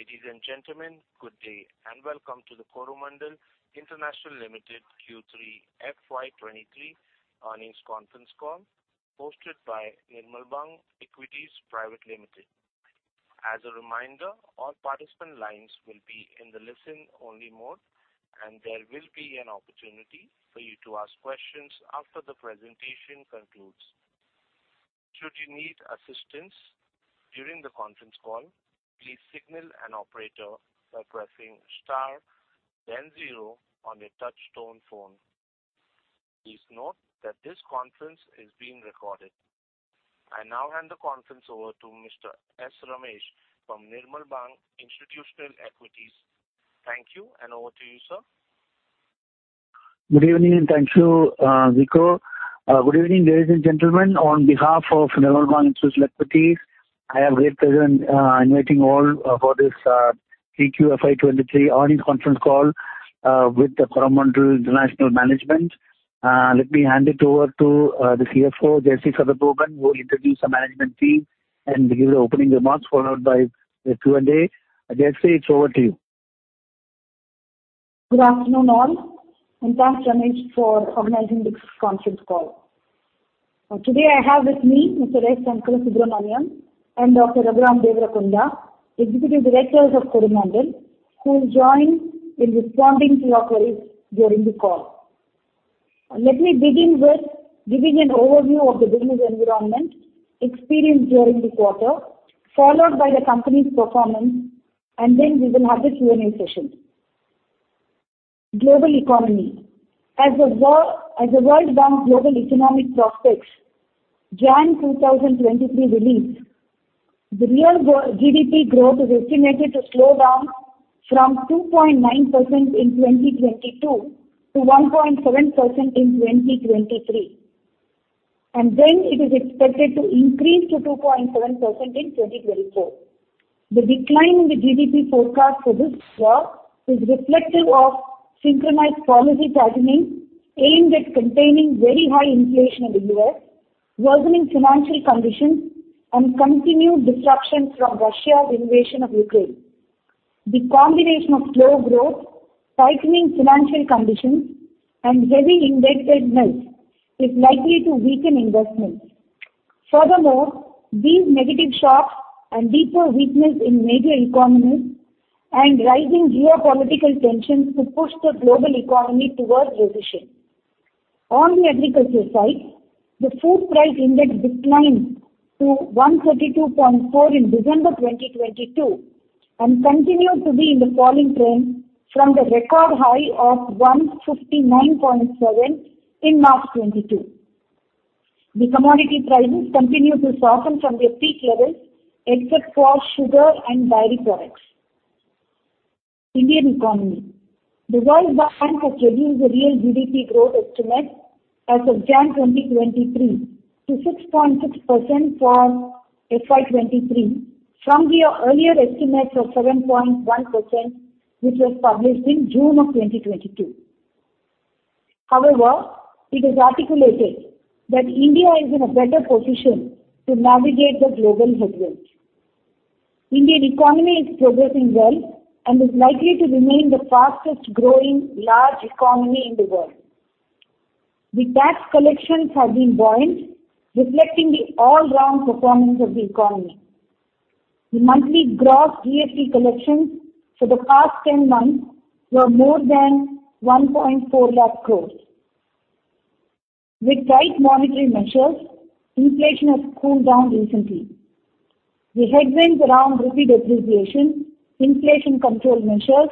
Ladies and gentlemen, good day. Welcome to the Coromandel International Limited Q3 FY 2023 Earnings Conference Call hosted by Nirmal Bang Equities Private Limited. As a reminder, all participant lines will be in the listen-only mode. There will be an opportunity for you to ask questions after the presentation concludes. Should you need assistance during the conference call, please signal an operator by pressing star then zero on your touchtone phone. Please note that this conference is being recorded. I now hand the conference over to Mr. S. Ramesh from Nirmal Bang Institutional Equities. Thank you. Over to you, sir. Good evening, and thank you, Rico. Good evening, ladies and gentlemen. On behalf of Nirmal Bang Institutional Equities, I have great pleasure in inviting all for this TQ FY 2023 Earnings Conference Call with the Coromandel International management. Let me hand it over to the CFO, Jayashree Satagopan, who will introduce the management team and give the opening remarks followed by the Q&A. Jayashree, it's over to you. Good afternoon, all, and thanks, S. Ramesh, for organizing this conference call. Today I have with me Mr. S. Sankarasubramanian and Dr. Raghuram Devarakonda, Executive Directors of Coromandel, who will join in responding to your queries during the call. Let me begin with giving an overview of the business environment experienced during the quarter, followed by the company's performance, and then we will have the Q&A session. Global economy. As the World Bank Global Economic Prospects January 2023 release, the real GDP growth is estimated to slow down from 2.9% in 2022 to 1.7% in 2023. It is expected to increase to 2.7% in 2024. The decline in the GDP forecast for this year is reflective of synchronized policy tightening aimed at containing very high inflation in the U.S., worsening financial conditions, and continued disruptions from Russia's invasion of Ukraine. The combination of slow growth, tightening financial conditions, and heavy indebted mess is likely to weaken investments. Furthermore, these negative shocks and deeper weakness in major economies and rising geopolitical tensions could push the global economy towards recession. On the agriculture side, the food price index declined to 132.4 in December 2022 and continued to be in the falling trend from the record high of 159.7 in March 2022. The commodity prices continued to soften from their peak levels, except for sugar and dairy products. Indian economy. The World Bank has reduced the real GDP growth estimate as of January 2023 to 6.6% for FY 2023 from the earlier estimates of 7.1%, which was published in June 2022. It is articulated that India is in a better position to navigate the global headwinds. Indian economy is progressing well and is likely to remain the fastest-growing large economy in the world. The tax collections have been buoyant, reflecting the all-round performance of the economy. The monthly gross GST collections for the past 10 months were more than 1.4 lakh crores. With tight monetary measures, inflation has cooled down recently. The headwinds around rupee depreciation, inflation control measures,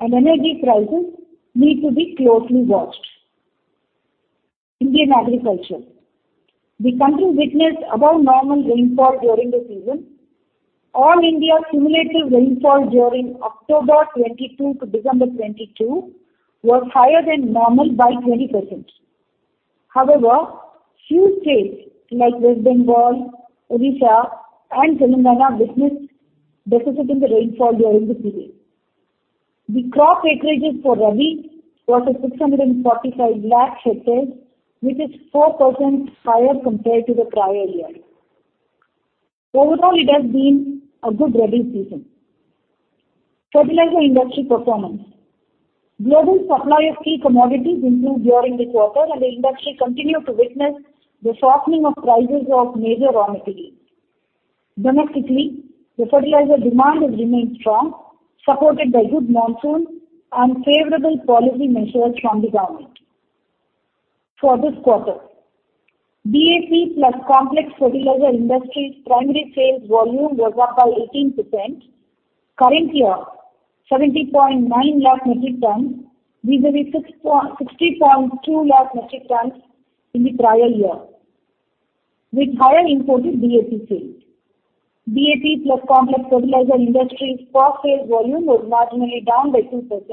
and energy prices need to be closely watched. Indian agriculture. The country witnessed above normal rainfall during the season. All India simulated rainfall during October 2022 to December 2022 was higher than normal by 20%. Few states, like West Bengal, Odisha, and Telangana, witnessed deficit in the rainfall during the period. The crop acreages for rabi was at 645 lakh hectares, which is 4% higher compared to the prior year. Overall, it has been a good rabi season. Fertilizer industry performance. Global supply of key commodities improved during this quarter, and the industry continued to witness the softening of prices of major raw materials. Domestically, the fertilizer demand has remained strong, supported by good monsoon and favorable policy measures from the government. For this quarter, DAP plus complex fertilizer industry's primary sales volume was up by 18%, current year 70.9 lakh metric tons vis-a-vis six point... 60.2 lakh metric tons in the prior year, with higher imported DAP sales. DAP plus complex fertilizer industry's port sales volume was marginally down by 2%,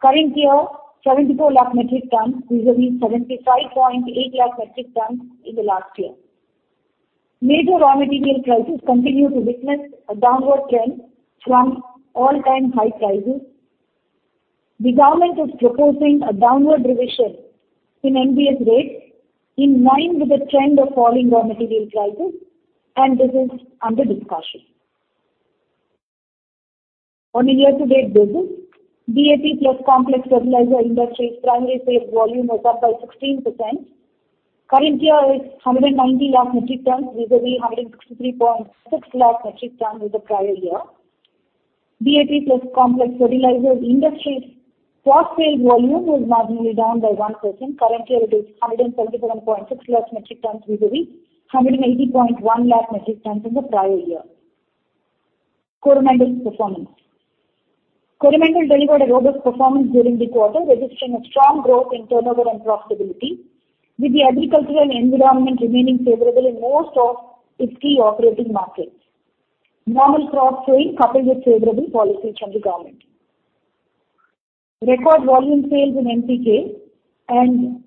current year 74 lakh metric tons vis-à-vis 75.8 lakh metric tons in the last year. Major raw material prices continued to witness a downward trend from all-time high prices. The government is proposing a downward revision in NBS rates in line with the trend of falling raw material prices, and this is under discussion. On a year-to-date basis, DAP plus complex fertilizer industry's primary sales volume was up by 16%. Current year is 190 lakh metric tons vis-à-vis 163.6 lakh metric tons in the prior year. DAP plus complex fertilizers industry's spot sales volume was marginally down by 1%. Currently, it is 177.6 lakh metric tons vis-à-vis 180.1 lakh metric tons in the prior year. Coromandel's performance. Coromandel delivered a robust performance during the quarter, registering a strong growth in turnover and profitability, with the agricultural and environment remaining favorable in most of its key operating markets. Normal crop sowing coupled with favorable policies from the government. Record volume sales in NPK and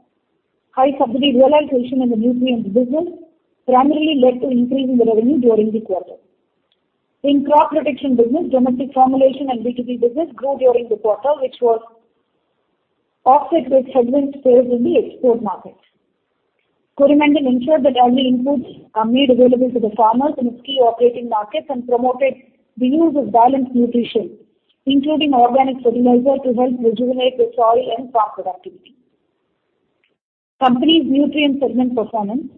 high subsidy realization in the nutrients business primarily led to increase in the revenue during the quarter. In crop protection business, domestic formulation and B2B business grew during the quarter, which was offset with headwinds faced in the export markets. Coromandel ensured that early inputs are made available to the farmers in its key operating markets and promoted the use of balanced nutrition, including organic fertilizer to help rejuvenate the soil and crop productivity. Company's nutrient segment performance.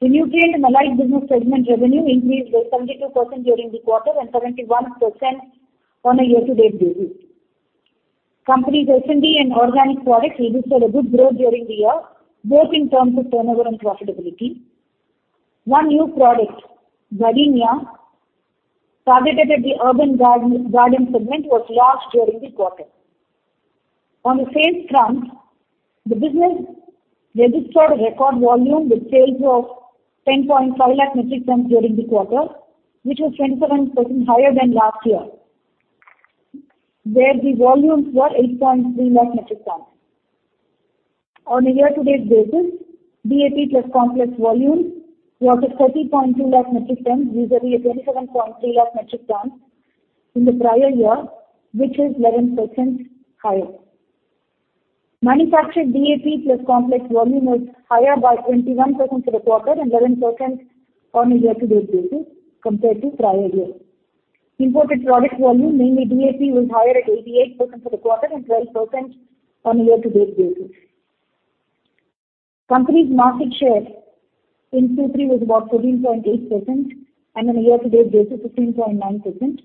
The Nutrient and Allied Businesses segment revenue increased by 72% during the quarter and 71% on a year-to-date basis. Company's FNB and organic products registered a good growth during the year, both in terms of turnover and profitability. One new product, Gardina, targeted at the urban garden segment, was launched during the quarter. On the sales front, the business registered a record volume with sales of 10.5 lakh metric tons during the quarter, which was 27% higher than last year, where the volumes were 8.3 lakh metric tons. On a year-to-date basis, DAP plus complex volumes was at 13.2 lakh metric tons vis-à-vis 27.3 lakh metric tons in the prior year, which is 11% higher. Manufactured DAP plus complex volume was higher by 21% for the quarter and 11% on a year-to-date basis compared to prior year. Imported product volume, mainly DAP, was higher at 88% for the quarter and 12% on a year-to-date basis. Company's market share in Q3 was about 14.8%, and on a year-to-date basis, 15.9%.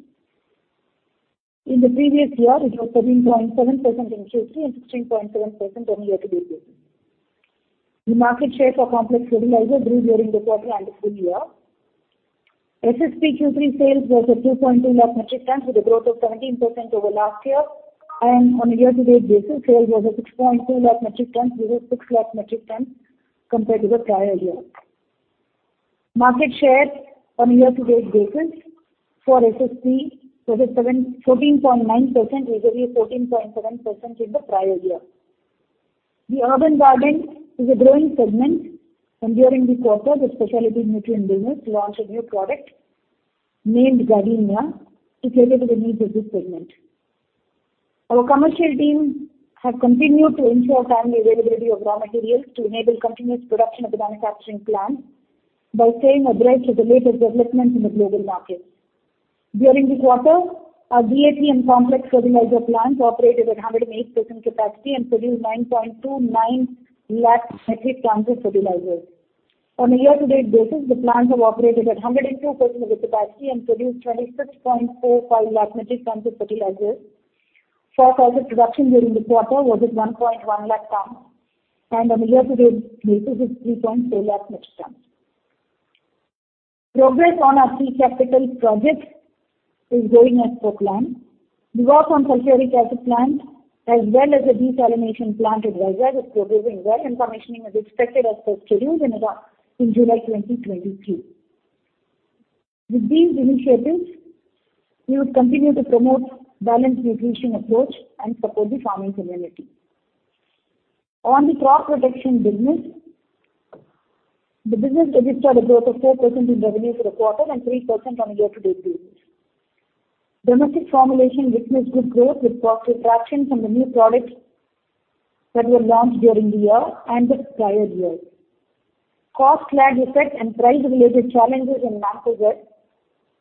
In the previous year, it was 13.7% in Q3 and 16.7% on a year-to-date basis. The market share for complex fertilizers grew during the quarter and the full year. SSP Q3 sales was at 2.2 lakh metric tons with a growth of 17% over last year, and on a year-to-date basis, sale was at 6.2 lakh metric tons versus 6 lakh metric tons compared to the prior year. Market share on a year-to-date basis for SSP was at 14.9% vis-à-vis 14.7% in the prior year. The urban garden is a growing segment. During the quarter, the specialty nutrient business launched a new product named Gardina to cater to the needs of this segment. Our commercial teams have continued to ensure timely availability of raw materials to enable continuous production at the manufacturing plant by staying abreast with the latest developments in the global markets. During the quarter, our DAP and complex fertilizer plants operated at 108% capacity and produced 9.29 lakh metric tons of fertilizers. On a year-to-date basis, the plants have operated at 102% of the capacity and produced 26.45 lakh metric tons of fertilizers. Phosphate production during the quarter was at 1.1 lakh ton. On a year-to-date basis, it's 3.4 lakh metric ton. Progress on our key capital projects is going as per plan. Work on Sulphuric Acid plant as well as the desalination plant at Vizag is progressing well. Commissioning is expected as per schedule in July 2023. With these initiatives, we would continue to promote balanced nutrition approach and support the farming community. The Crop Protection Business registered a growth of 4% in revenue for the quarter and 3% on a year-to-date basis. Domestic formulation witnessed good growth with positive traction from the new products that were launched during the year and the prior year. Cost lag effect and price-related challenges in exports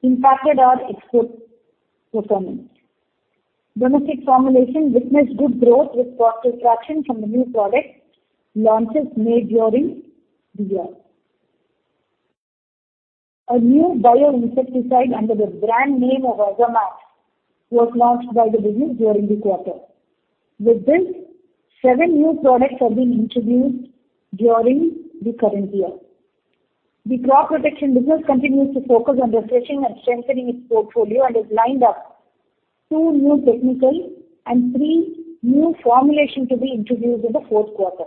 impacted our export performance. Domestic formulation witnessed good growth with positive traction from the new product launches made during the year. A new bio-insecticide under the brand name of Azamax was launched by the business during the quarter. With this, seven new products have been introduced during the current year. The crop protection business continues to focus on refreshing and strengthening its portfolio and has lined up two new technical and three new formulation to be introduced in the fourth quarter.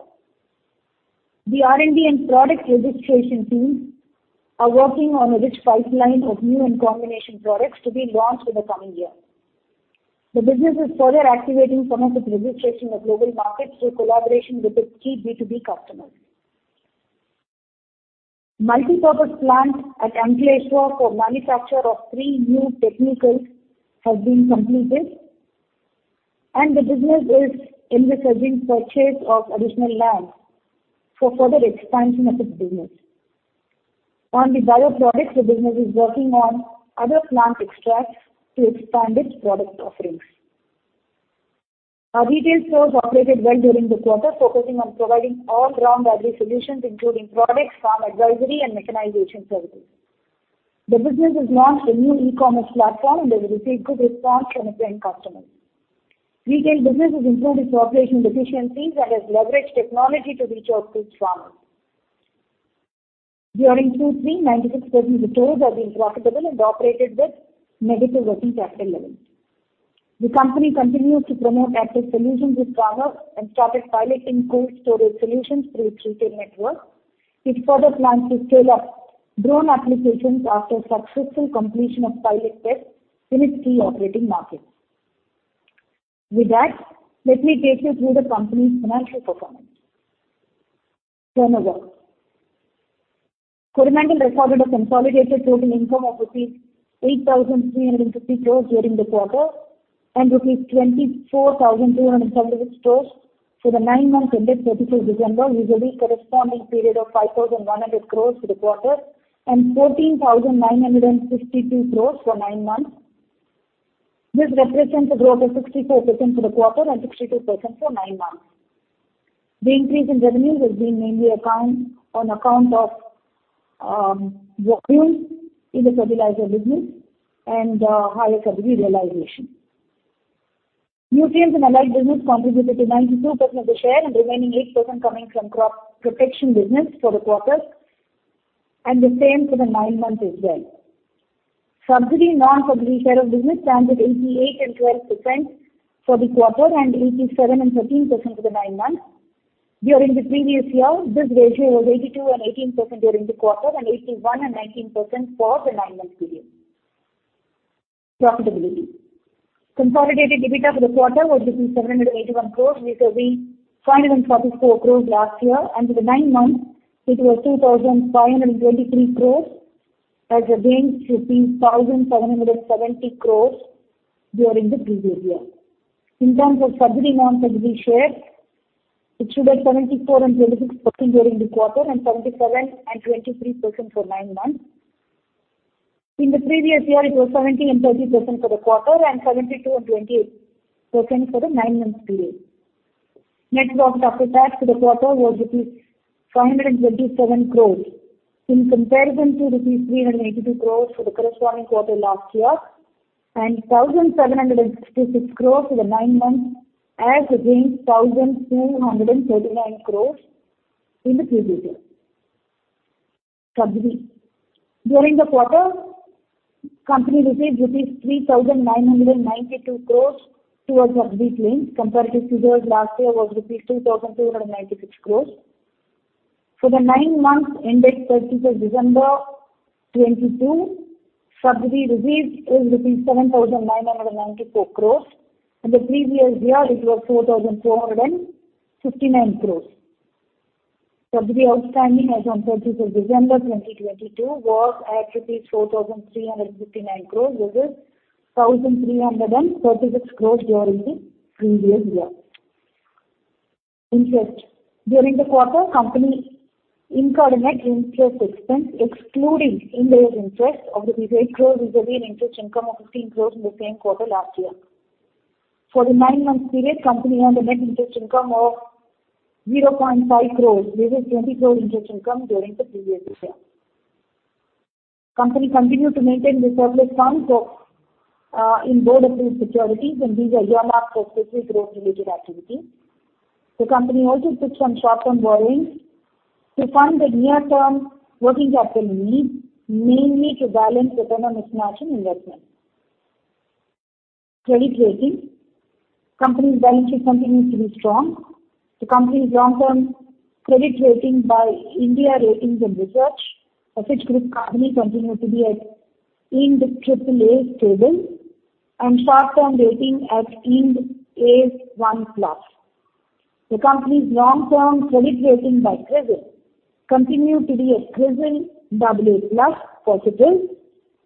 The R&D and product registration teams are working on a rich pipeline of new and combination products to be launched in the coming year. The business is further activating some of its registration of global markets through collaboration with its key B2B customers. Multi-Purpose plant at Ankleshwar for manufacture of three new technical has been completed, and the business is investigating purchase of additional land for further expansion of its business. On the bio-products, the business is working on other plant extracts to expand its product offerings. Our retail stores operated well during the quarter, focusing on providing all-round agri solutions, including products, farm advisory, and mechanization services. The business has launched a new e-commerce platform, and there was a good response from the prime customers. Retail business has improved its operational efficiencies and has leveraged technology to reach out to its farmers. During Q3, 96% of the stores have been profitable and operated with negative working capital levels. The company continues to promote active solutions with farmers and started piloting cold storage solutions through its retail network. It further plans to scale up drone applications after successful completion of pilot tests in its key operating markets. With that, let me take you through the company's financial performance. Turnover. Coromandel recorded a consolidated total income of 8,350 crores during the quarter and 24,276 crores for the nine months ended 31st December vis-à-vis corresponding period of 5,100 crores for the quarter and 14,962 crores for nine months. This represents a growth of 64% for the quarter and 62% for nine months. The increase in revenues has been mainly on account of volumes in the fertilizer business and higher subsidy realization. Nutrient and Allied Business contributed to 92% of the share and remaining 8% coming from crop protection business for the quarter, and the same for the nine months as well. Subsidy non-subsidy share of business stands at 88% and 12% for the quarter and 87% and 13% for the nine months. During the previous year, this ratio was 82.18% during the quarter and 81.19% for the nine-month period. Profitability. Consolidated EBITDA for the quarter was 781 crores vis-à-vis 544 crores last year, and for the nine months it was 2,523 crores as against 1,770 crores during the previous year. In terms of subsidy non-subsidy share, it stood at 74.26% during the quarter and 77.23% for nine months. In the previous year, it was 70.30% for the quarter and 72.28% for the nine months period. Net profit after tax for the quarter was INR 527 crores in comparison to INR 382 crores for the corresponding quarter last year, and 1,766 crores for the nine months as against 1,239 crores in the previous year. Subsidy. During the quarter, company received rupees 3,992 crores towards subsidy claims compared to figures last year was rupees 2,296 crores. For the nine months ended 31st December 2022, subsidy received is rupees 7,994 crores. In the previous year, it was 4,459 crores. Subsidy outstanding as on 31st December 2022 was at 4,359 crores versus 1,336 crores during the previous year. Interest. During the quarter, company incurred a net interest expense excluding indirect interest of 8 crores vis-à-vis an interest income of 15 crores in the same quarter last year. For the nine months period, company earned a net interest income of 0.5 crores versus 20 crores interest income during the previous year. Company continued to maintain the surplus funds in board approved securities, and these are earmarked for specific growth-related activities. The company also took some short-term borrowings to fund the near-term working capital needs, mainly to balance return on its margin investments. Credit rating. Company's financial continues to be strong. The company's long-term credit rating by India Ratings and Research, a Fitch Group company, continued to be at IND AAA/Stable and short-term rating at IND A1+. The company's long-term credit rating by CRISIL continued to be at CRISIL AA+ Positive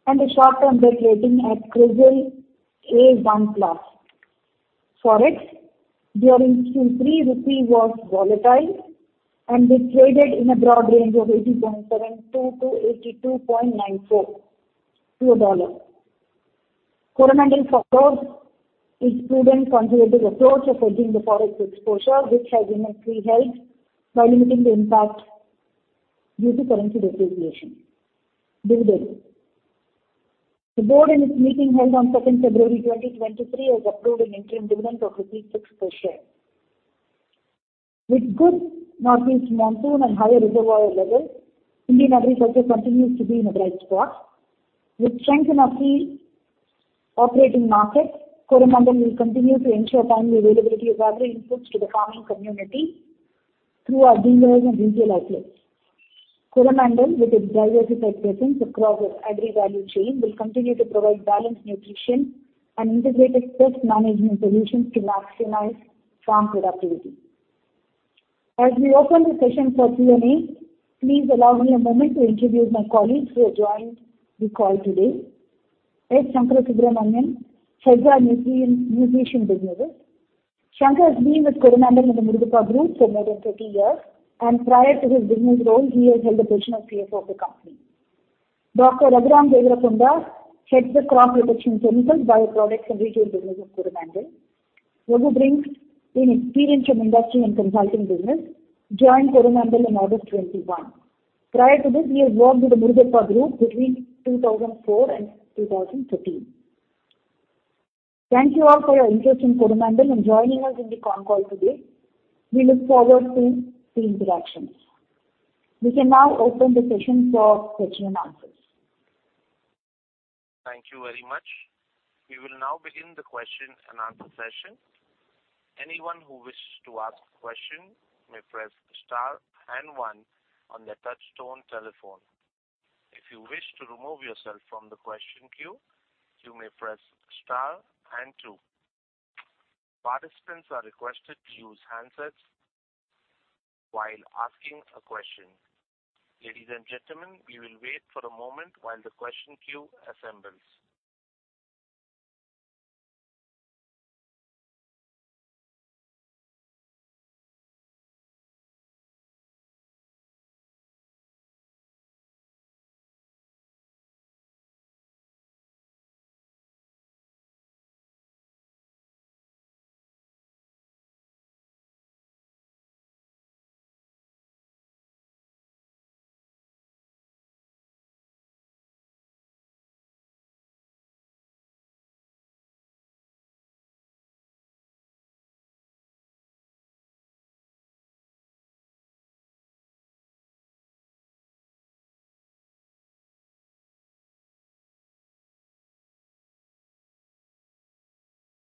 and the short-term debt rating at CRISIL A1+. Forex. During Q3, INR was volatile and it traded in a broad range of 80.72-82.94 to a dollar Coromandel follows its prudent conservative approach of hedging the forex exposure, which has been a key help while limiting the impact due to currency depreciation. Dividends. The board in its meeting held on second February 2023 has approved an interim dividend of 6 per share. With good northeast monsoon and higher reservoir levels, Indian agriculture continues to be in a bright spot. With strength in our key operating markets, Coromandel will continue to ensure timely availability of agri inputs to the farming community through our dealers and retail outlets. Coromandel, with its diversified presence across the agri value chain, will continue to provide balanced nutrition and integrated pest management solutions to maximize farm productivity. As we open the session for Q&A, please allow me a moment to introduce my colleagues who have joined the call today. S. Sankarasubramanian, heads our nutrient nutrition business. Sankar has been with Coromandel and the Murugappa Group for more than 30 years, and prior to his business role, he has held the position of CFO of the company. Dr. Raghuram Devarakonda heads the Crop Protection Chemicals, bioproducts, and regional business of Coromandel. Raghu brings in experience from industry and consulting business, joined Coromandel in August 2021. Prior to this, he has worked with the Murugappa Group between 2004 and 2013. Thank you all for your interest in Coromandel and joining us in the conf call today. We look forward to interactions. We can now open the session for question and answers. Thank you very much. We will now begin the question and answer session. Anyone who wishes to ask a question may press star and one on their touchtone telephone. If you wish to remove yourself from the question queue, you may press star and two. Participants are requested to use handsets while asking a question. Ladies and gentlemen, we will wait for a moment while the question queue assembles.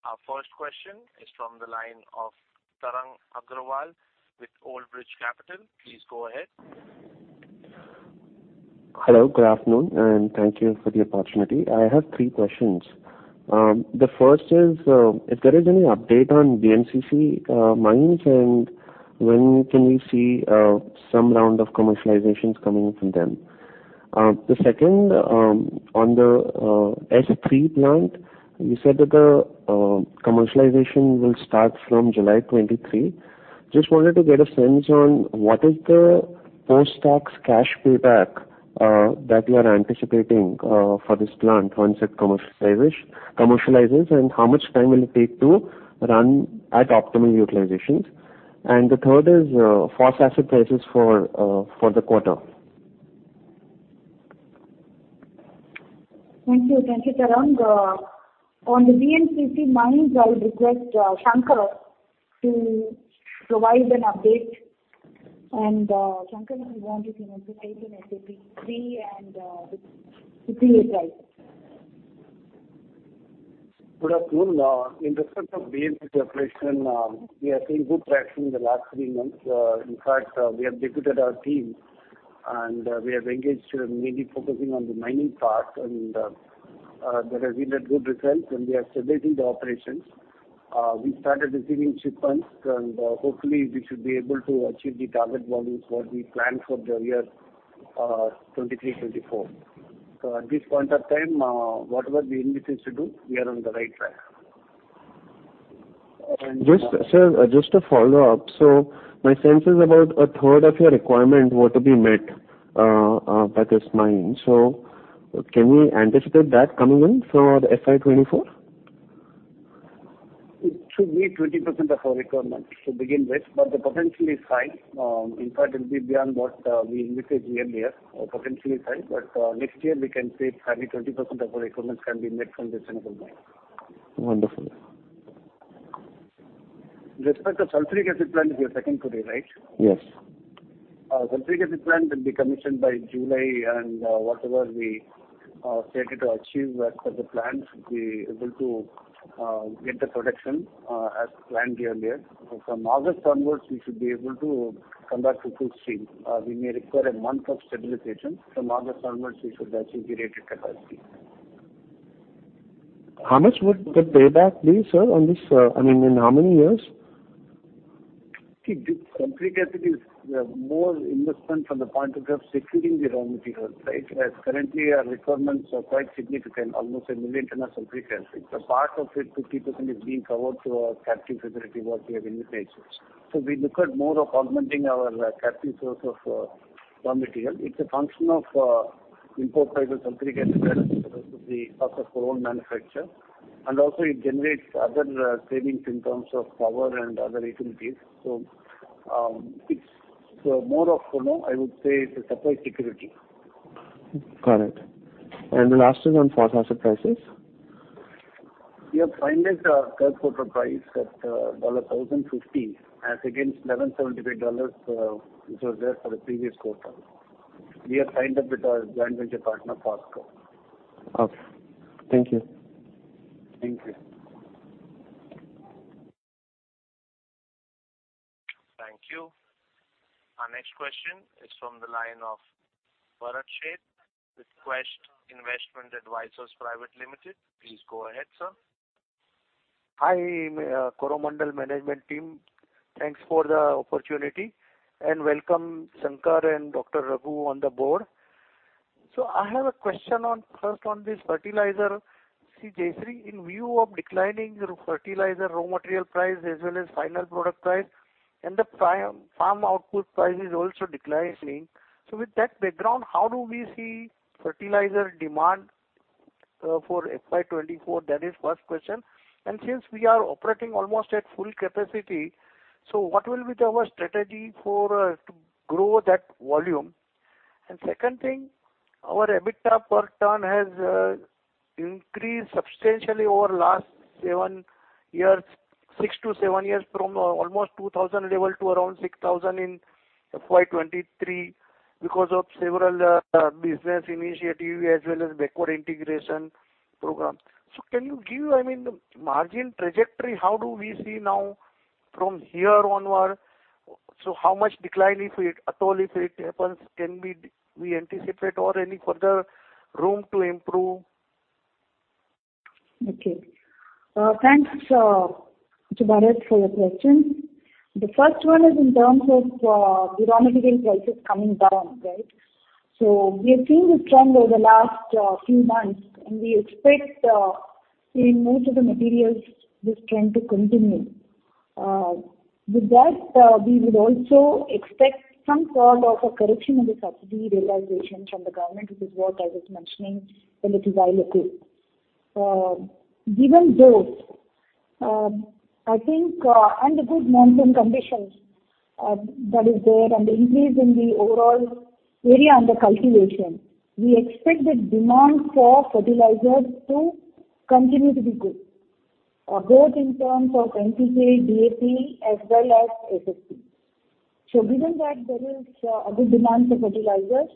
Our first question is from the line of Tarang Agarwal with Old Bridge Capital. Please go ahead. Hello, good afternoon, thank you for the opportunity. I have three questions. The first is if there is any update on BMCC mines and when can we see some round of commercializations coming from them? The second on the S3 plant, you said that the commercialization will start from July 2023. Just wanted to get a sense on what is the post-tax cash payback that you are anticipating for this plant once it commercializes, and how much time will it take to run at optimal utilizations. The third is phosphate prices for the quarter. Thank you. Thank you, Tarang. On the BMCC mines, I would request Sankar to provide an update. Sankar, if you want, you can also take on SAP-3 and the PA price. Good afternoon. In respect of BMCC operation, we have seen good traction in the last three months. In fact, we have deputed our team, and we are engaged, mainly focusing on the mining part and there has been a good result, and we are stabilizing the operations. We started receiving shipments, and hopefully, we should be able to achieve the target volumes what we planned for the year, 2023-2024. At this point of time, whatever we envisaged to do, we are on the right track. Just, sir, just a follow-up. My sense is about a third of your requirement were to be met, that is mined. Can we anticipate that coming in for FY 2024? It should be 20% of our requirement to begin with, but the potential is high. In fact, it'll be beyond what we envisaged earlier or potentially high. Next year we can say 20% of our requirements can be met from this mine. Wonderful. With respect to sulfuric acid plant is your second query, right? Yes. Our sulfuric acid plant will be commissioned by July, whatever we stated to achieve as per the plan should be able to get the production as planned earlier. From August onwards, we should be able to come back to full stream. We may require a month of stabilization. From August onwards, we should achieve the rated capacity. How much would the payback be, sir, on this? I mean, in how many years? The sulfuric acid is more investment from the point of view of securing the raw material, right? Currently our requirements are quite significant, almost 1 million tons of sulfuric acid. The part of it, 50% is being covered through our captive facility what we have indicated. We look at more of augmenting our captive source of raw material. It's a function of import price of sulfuric acid versus the cost of our own manufacture. Also it generates other savings in terms of power and other utilities. It's more of, you know, I would say it's a supply security. Got it. The last is on phosphate prices. We have signed a third quarter price at $1,050 as against $1,175 which was there for the previous quarter. We have signed up with our joint venture partner, Foskor. Okay. Thank you. Thank you. Thank you. Our next question is from the line of Bharat Sheth with Quest Investment Advisors Private Limited. Please go ahead, sir. Hi, Coromandel management team. Thanks for the opportunity. Welcome Sankar and Dr. Raghu on the board. I have a question on, first on this fertilizer. See, Jayashree, in view of declining fertilizer raw material price as well as final product price and the farm output price is also declining. With that background, how do we see fertilizer demand for FY 2024? That is first question. Since we are operating almost at full capacity, what will be our strategy for to grow that volume? Second thing, our EBITDA per ton has increased substantially over last seven years, six to seven years from almost 2,000 level to around 6,000 in FY 2023 because of several business initiative as well as backward integration program. Can you give, I mean, the margin trajectory, how do we see now from here onward? How much decline if it, at all if it happens, can we anticipate or any further room to improve? Thanks to Bharat for your question. The first one is in terms of raw material prices coming down. We have seen this trend over the last few months, and we expect seeing most of the materials, this trend to continue. With that, we would also expect some sort of a correction in the subsidy realization from the government, which is what I was mentioning when it is high load. Given those, I think, and the good monsoon conditions, that is there and the increase in the overall area under cultivation, we expect the demand for fertilizers to continue to be good, both in terms of NPK, DAP, as well as SSP. Given that there is a good demand for fertilizers,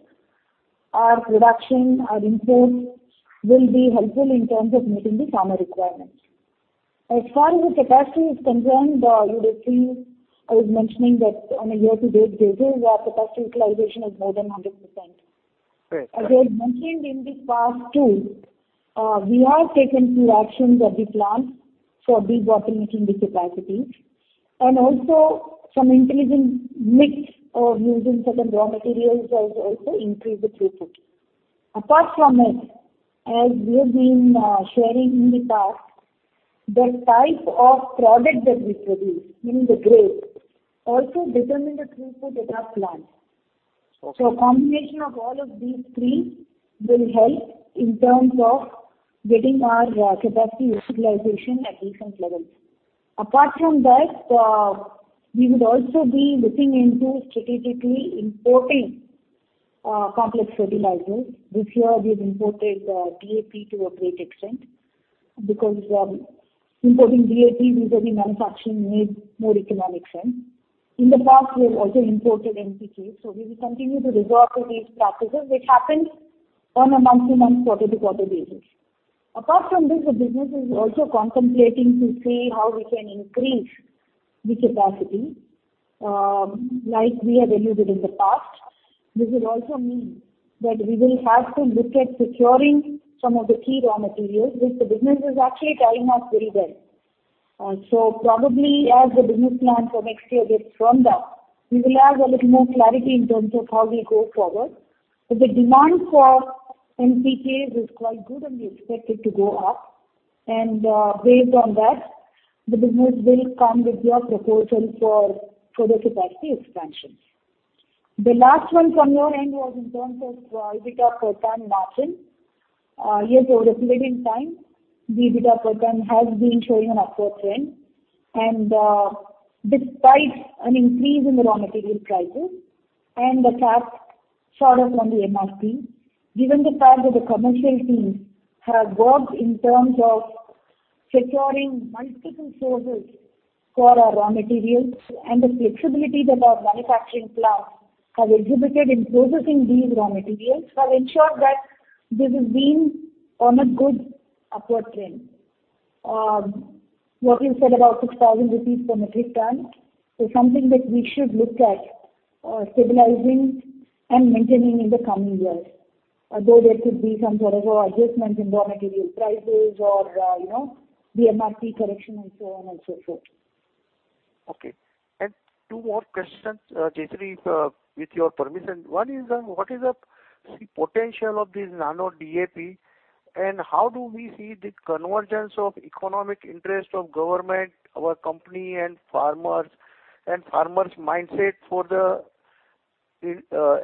our production, our imports will be helpful in terms of meeting the farmer requirements. As far as the capacity is concerned, you would have seen, I was mentioning that on a year-to-date basis, our capacity utilization is more than 100%. Right. As I mentioned in the past too, we have taken few actions at the plant for debottlenecking the capacity and also some increase in mix of using certain raw materials has also increased the throughput. Apart from this, as we have been sharing in the past, the type of product that we produce, meaning the grade, also determine the throughput at our plant. Okay. A combination of all of these three will help in terms of getting our capacity utilization at decent levels. Apart from that, we would also be looking into strategically importing complex fertilizers. This year, we have imported DAP to a great extent because importing DAP vis-a-vis manufacturing made more economic sense. In the past, we have also imported NPK, so we will continue to resort to these practices, which happens on a month-to-month, quarter-to-quarter basis. Apart from this, the business is also contemplating to see how we can increase the capacity, like we have alluded in the past. This will also mean that we will have to look at securing some of the key raw materials, which the business is actually tying up very well. Probably as the business plan for next year gets firm up, we will have a little more clarity in terms of how we go forward. The demand for NPK is quite good, and we expect it to go up. Based on that, the business will come with your proposal for further capacity expansion. The last one from your end was in terms of EBITDA per ton margin. Yes, over a period in time, the EBITDA per ton has been showing an upward trend. Despite an increase in the raw material prices and the fact short of on the MRP, given the fact that the commercial teams have worked in terms of securing multiple sources for our raw materials and the flexibility that our manufacturing plants have exhibited in processing these raw materials have ensured that this has been on a good upward trend. What you said about 6,000 rupees per metric ton is something that we should look at, stabilizing and maintaining in the coming years. Although there could be some sort of adjustments in raw material prices or, you know, the MRP correction and so on and so forth. Okay. Two more questions, Jayashree, if with your permission. One is on what is the potential of this nano DAP, how do we see the convergence of economic interest of government, our company and farmers and farmers' mindset for the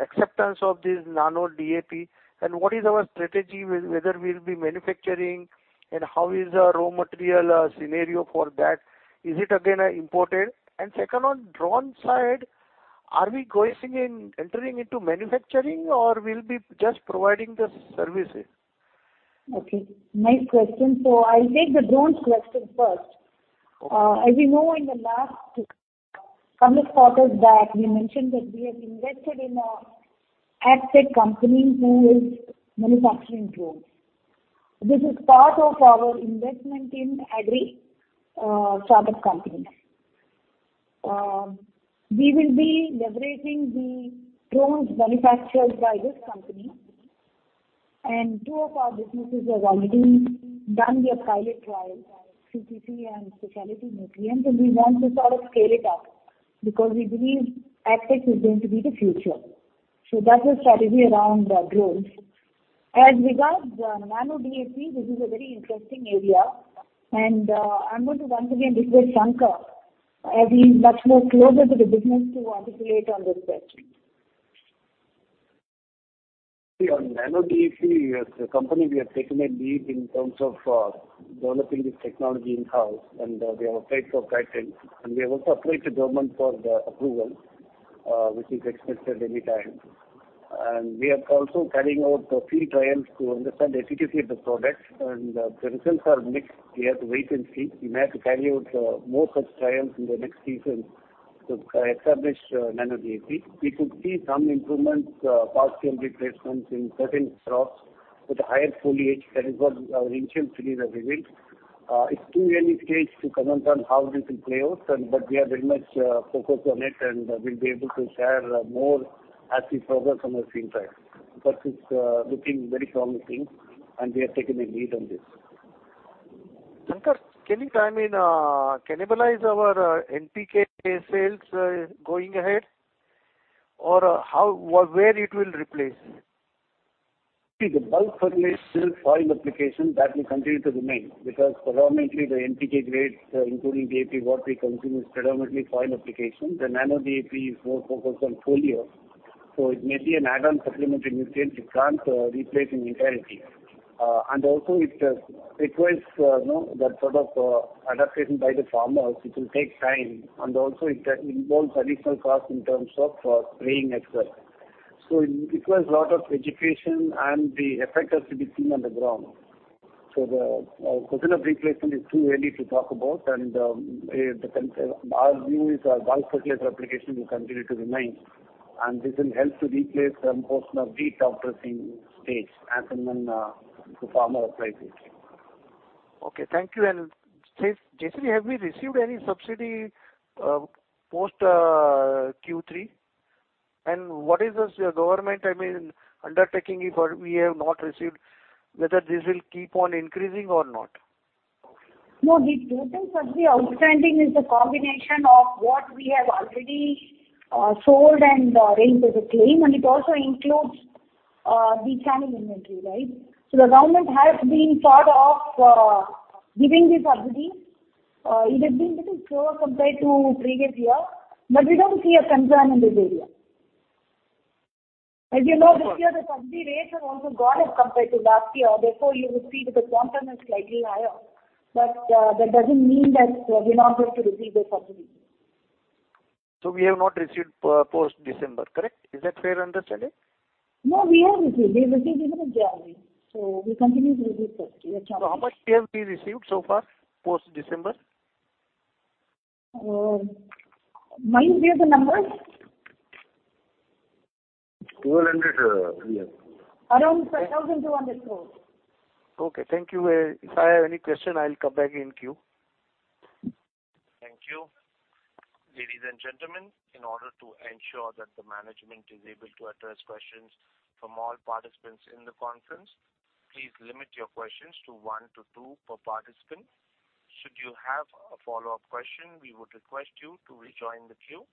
acceptance of this nano DAP? What is our strategy, whether we'll be manufacturing, how is our raw material scenario for that? Is it again imported? 2nd, on drone side, are we entering into manufacturing or we'll be just providing the services? Okay, nice question. I'll take the drones question first. Okay. As you know, in the last couple of quarters back, we mentioned that we have invested in a agtech company who is manufacturing drones. This is part of our investment in agri startup companies. We will be leveraging the drones manufactured by this company, and two of our businesses have already done their pilot trial, CPC and specialty nutrients, and we want to sort of scale it up because we believe agtech is going to be the future. That's our strategy around drones. As regards nano DAP, this is a very interesting area, and I'm going to once again refer Sankar, as he's much more closer to the business to articulate on this question. On nano DAP, as a company, we have taken a lead in terms of developing this technology in-house, and we have applied for a patent, and we have also applied to government for the approval, which is expected anytime. We are also carrying out the field trials to understand the efficacy of the products and the results are mixed. We have to wait and see. We may have to carry out more such trials in the next season to establish nano DAP. We could see some improvements, partial replacements in certain crops with higher foliage. That is what our initial studies have revealed. It's too early stage to comment on how this will play out, but we are very much focused on it, and we'll be able to share more as we progress on our field trials. It's looking very promising, and we have taken a lead on this. Sankar, can you, I mean, cannibalize our NPK sales going ahead? how or where it will replace? The bulk fertilizer soil application, that will continue to remain because predominantly the NPK grades, including DAP, what we consume is predominantly soil application. The nano DAP is more focused on foliar, so it may be an add-on supplementary nutrient. It can't replace in entirety. And also it requires, you know, that sort of adaptation by the farmers. It will take time, and also it involves additional cost in terms of spraying et cetera. It requires a lot of education, and the effect has to be seen on the ground. The question of replacement is too early to talk about and Our view is our bulk fertilizer application will continue to remain, and this will help to replace some portion of wheat after seeing stage as and when the farmer applies it. Okay. Thank you. Jayashree, have we received any subsidy post Q3? What is the government, I mean, undertaking if we have not received, whether this will keep on increasing or not? No, the total subsidy outstanding is the combination of what we have already sold and raised as a claim, and it also includes the standing inventory, right? The government has been sort of giving the subsidy. It has been little slower compared to previous year, we don't see a concern in this area. As you know, this year the subsidy rates have also gone up compared to last year. Therefore, you would see that the quantum is slightly higher. That doesn't mean that we're not going to receive the subsidy. We have not received post December, correct? Is that fair understanding? No, we have received. We received even in January. We continue to receive subsidy. How much we have received so far, post December? Maureen, do you have the numbers? INR 1,200 million. Around 1,200 crores. Okay. Thank you. If I have any question, I'll come back in queue. Thank you. Ladies and gentlemen, in order to ensure that the management is able to address questions from all participants in the conference, please limit your questions to one to two per participant. Should you have a follow-up question, we would request you to rejoin the queue.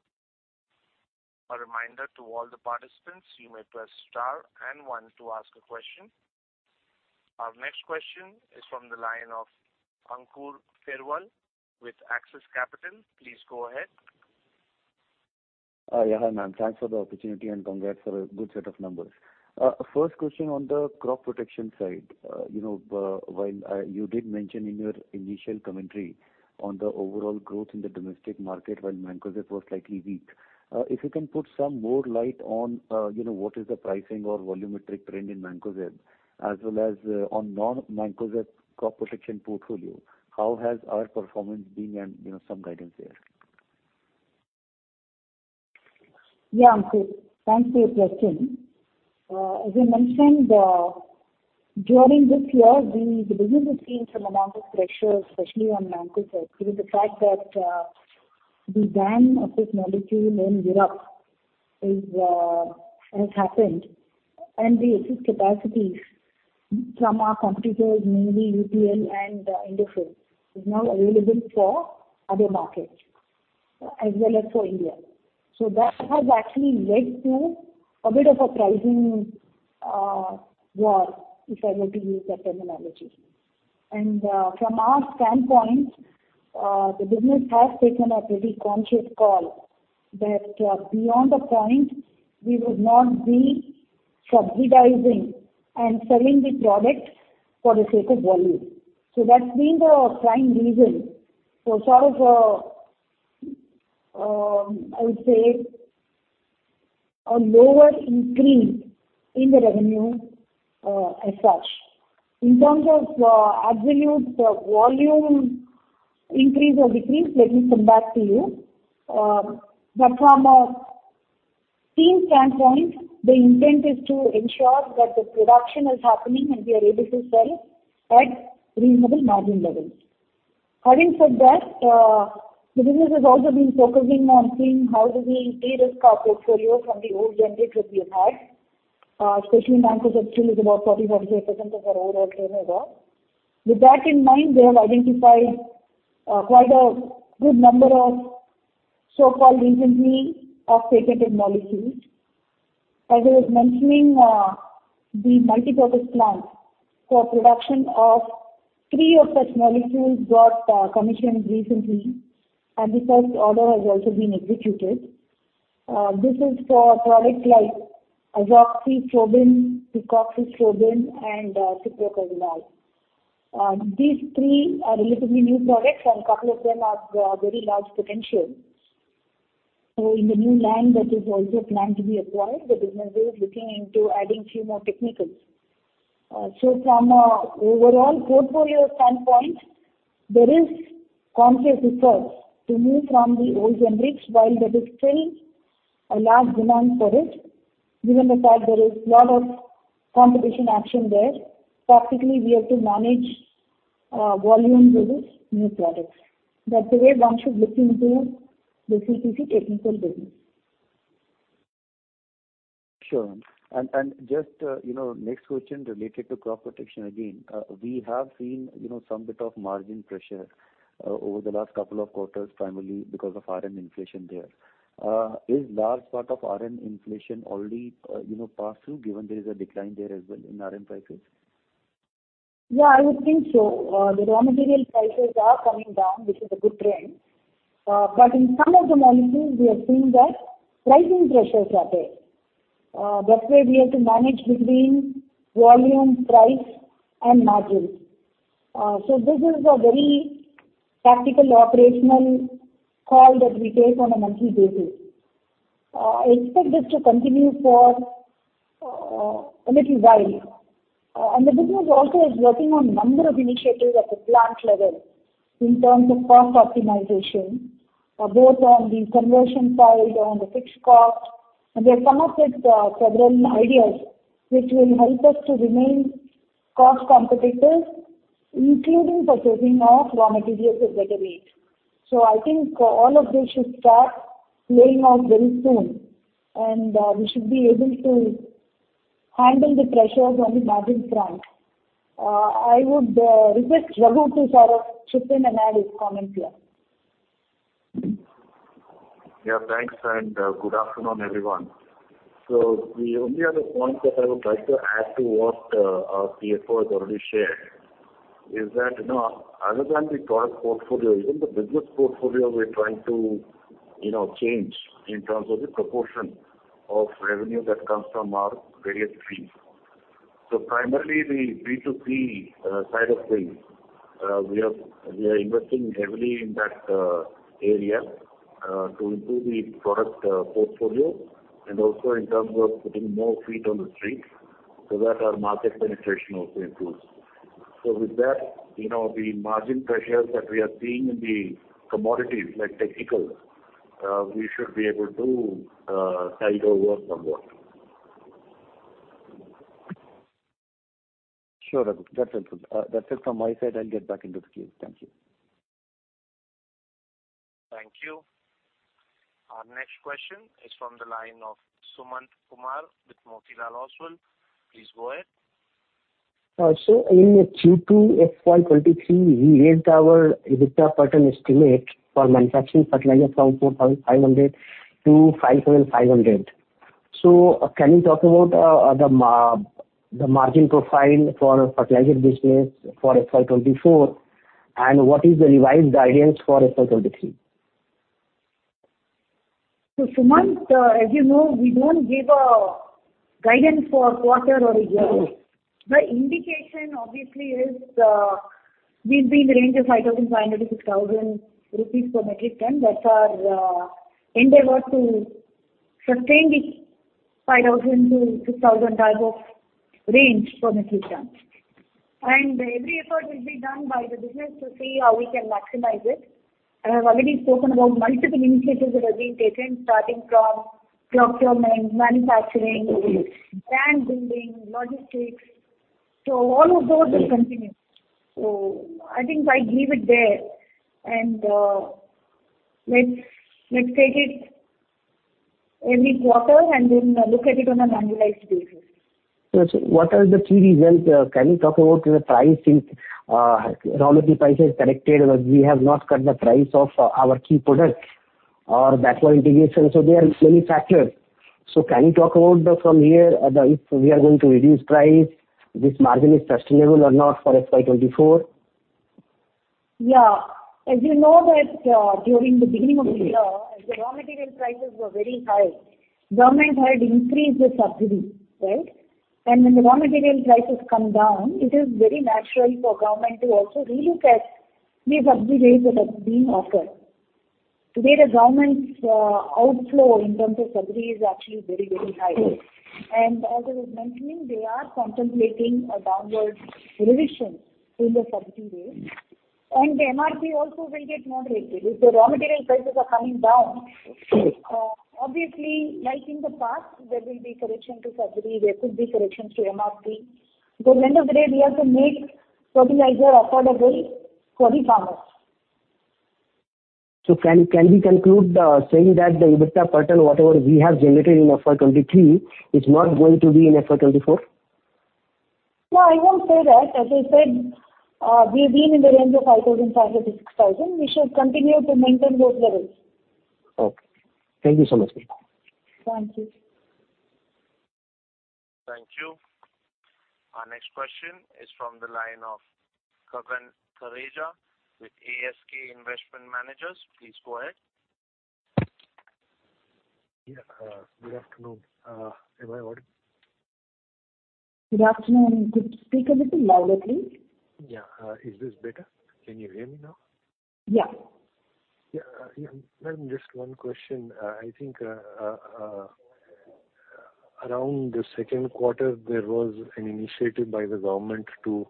A reminder to all the participants, you may press star and one to ask a question. Our next question is from the line of Ankur Periwal with Axis Capital. Please go ahead. Yeah. Hi, Ma'am. Thanks for the opportunity and congrats for a good set of numbers. First question on the crop protection side. You know, while you did mention in your initial commentary on the overall growth in the domestic market while Mancozeb was slightly weak. If you can put some more light on, you know, what is the pricing or volumetric trend in Mancozeb as well as on non-Mancozeb crop protection portfolio. How has our performance been and, you know, some guidance there. Yeah, Ankur. Thanks for your question. As I mentioned, during this year, the business has seen some amount of pressure, especially on Mancozeb due to the fact that the ban of this molecule in Europe has happened, and the excess capacities from our competitors, mainly UPL and Indofil, is now available for other markets as well as for India. That has actually led to a bit of a pricing war, if I were to use that terminology. From our standpoint, the business has taken a very conscious call that beyond a point, we would not be subsidizing and selling the product for the sake of volume. That's been the prime reason for sort of, I would say a lower increase in the revenue as such. In terms of absolute volume increase or decrease, let me come back to you. But from a team standpoint, the intent is to ensure that the production is happening and we are able to sell at reasonable margin levels. Having said that, the business has also been focusing on seeing how do we de-risk our portfolio from the old generics that we have had, especially Mancozeb is about 40%-48% of our overall turnover. With that in mind, they have identified quite a good number of so-called recent re of patented molecules. As I was mentioning, the multi-purpose plant for production of three of such molecules got commissioned recently, and the first order has also been executed. This is for products like Azoxystrobin, Picoxystrobin, and Cyproconazole. These three are relatively new products and couple of them have very large potential. In the new land that is also planned to be acquired, the business is looking into adding few more technicals. From a overall portfolio standpoint, there is conscious effort to move from the old generics while there is still a large demand for it. Given the fact there is lot of competition action there, practically we have to manage volume versus new products. That's the way one should look into the CPC technical business. Sure. Just, you know, next question related to crop protection again. We have seen, you know, some bit of margin pressure over the last couple of quarters, primarily because of RM inflation there. Is large part of RM inflation already, you know, passed through, given there is a decline there as well in RM prices? Yeah, I would think so. The raw material prices are coming down, which is a good trend. In some of the molecules we are seeing that pricing pressures are there. That way we have to manage between volume, price, and margins. This is a very tactical operational call that we take on a monthly basis. I expect this to continue for a little while. The business also is working on number of initiatives at the plant level in terms of cost optimization, both on the conversion side, on the fixed cost. They've come up with several ideas which will help us to remain cost competitive, including purchasing of raw materials at better rates. I think all of this should start playing out very soon and, we should be able to handle the pressures on the margin front. I would, request Raghu to sort of chip in and add his comment here. Thanks, and good afternoon, everyone. The only other point that I would like to add to what our CFO has already shared is that, you know, other than the product portfolio, even the business portfolio we're trying to, you know, change in terms of the proportion of revenue that comes from our various fees. Primarily the B2C side of things, we are investing heavily in that area to improve the product portfolio and also in terms of putting more feet on the street so that our market penetration also improves. With that, you know, the margin pressures that we are seeing in the commodities like technical, we should be able to tide over somewhat. Sure, Raghu. That's it. That's it from my side. I'll get back into the queue. Thank you. Thank you. Our next question is from the line of Sumant Kumar with Motilal Oswal. Please go ahead. In Q2 FY 2023, we raised our EBITDA pattern estimate for manufacturing fertilizer from 4,500 to 5,500. Can you talk about the margin profile for fertilizer business for FY 2024, and what is the revised guidance for FY 2023? Sumant, as you know, we don't give a guidance for quarter or a year. The indication obviously is, we've been in the range of 5,500-6,000 rupees per metric ton. That's our endeavor to sustain the 5,000-6,000 type of range per metric ton. Every effort will be done by the business to see how we can maximize it. I have already spoken about multiple initiatives that are being taken, starting from procurement, manufacturing, brand building, logistics. All of those will continue. I think I leave it there and let's take it every quarter and then look at it on an annualized basis. What are the key reasons? Can you talk about the pricing? Raw material prices corrected, but we have not cut the price of our key products or backward integration. There are many factors. Can you talk about the from here, the if we are going to reduce price, this margin is sustainable or not for FY 2024? Yeah. As you know that, during the beginning of the year, as the raw material prices were very high, government had increased the subsidy, right? When the raw material prices come down, it is very natural for government to also re-look at the subsidy rates that are being offered. Today, the government's outflow in terms of subsidy is actually very, very high. As I was mentioning, they are contemplating a downward revision in the subsidy rates. The MRP also will get moderated. If the raw material prices are coming down, obviously, like in the past, there will be correction to factory, there could be corrections to MRP. At the end of the day, we have to make fertilizer affordable for the farmers. Can we conclude, saying that the EBITDA pattern, whatever we have generated in FY 2023 is not going to be in FY 2024? No, I won't say that. As I said, we've been in the range of 5,500-6,000. We shall continue to maintain those levels. Okay. Thank you so much. Thank you. Thank you. Our next question is from the line of Gagan Thareja with ASK Investment Managers. Please go ahead. Good afternoon. Am I audible? Good afternoon. Could you speak a little loudly? Yeah. Is this better? Can you hear me now? Yeah. Yeah. Yeah. Ma'am, just one question. I think around the second quarter, there was an initiative by the government to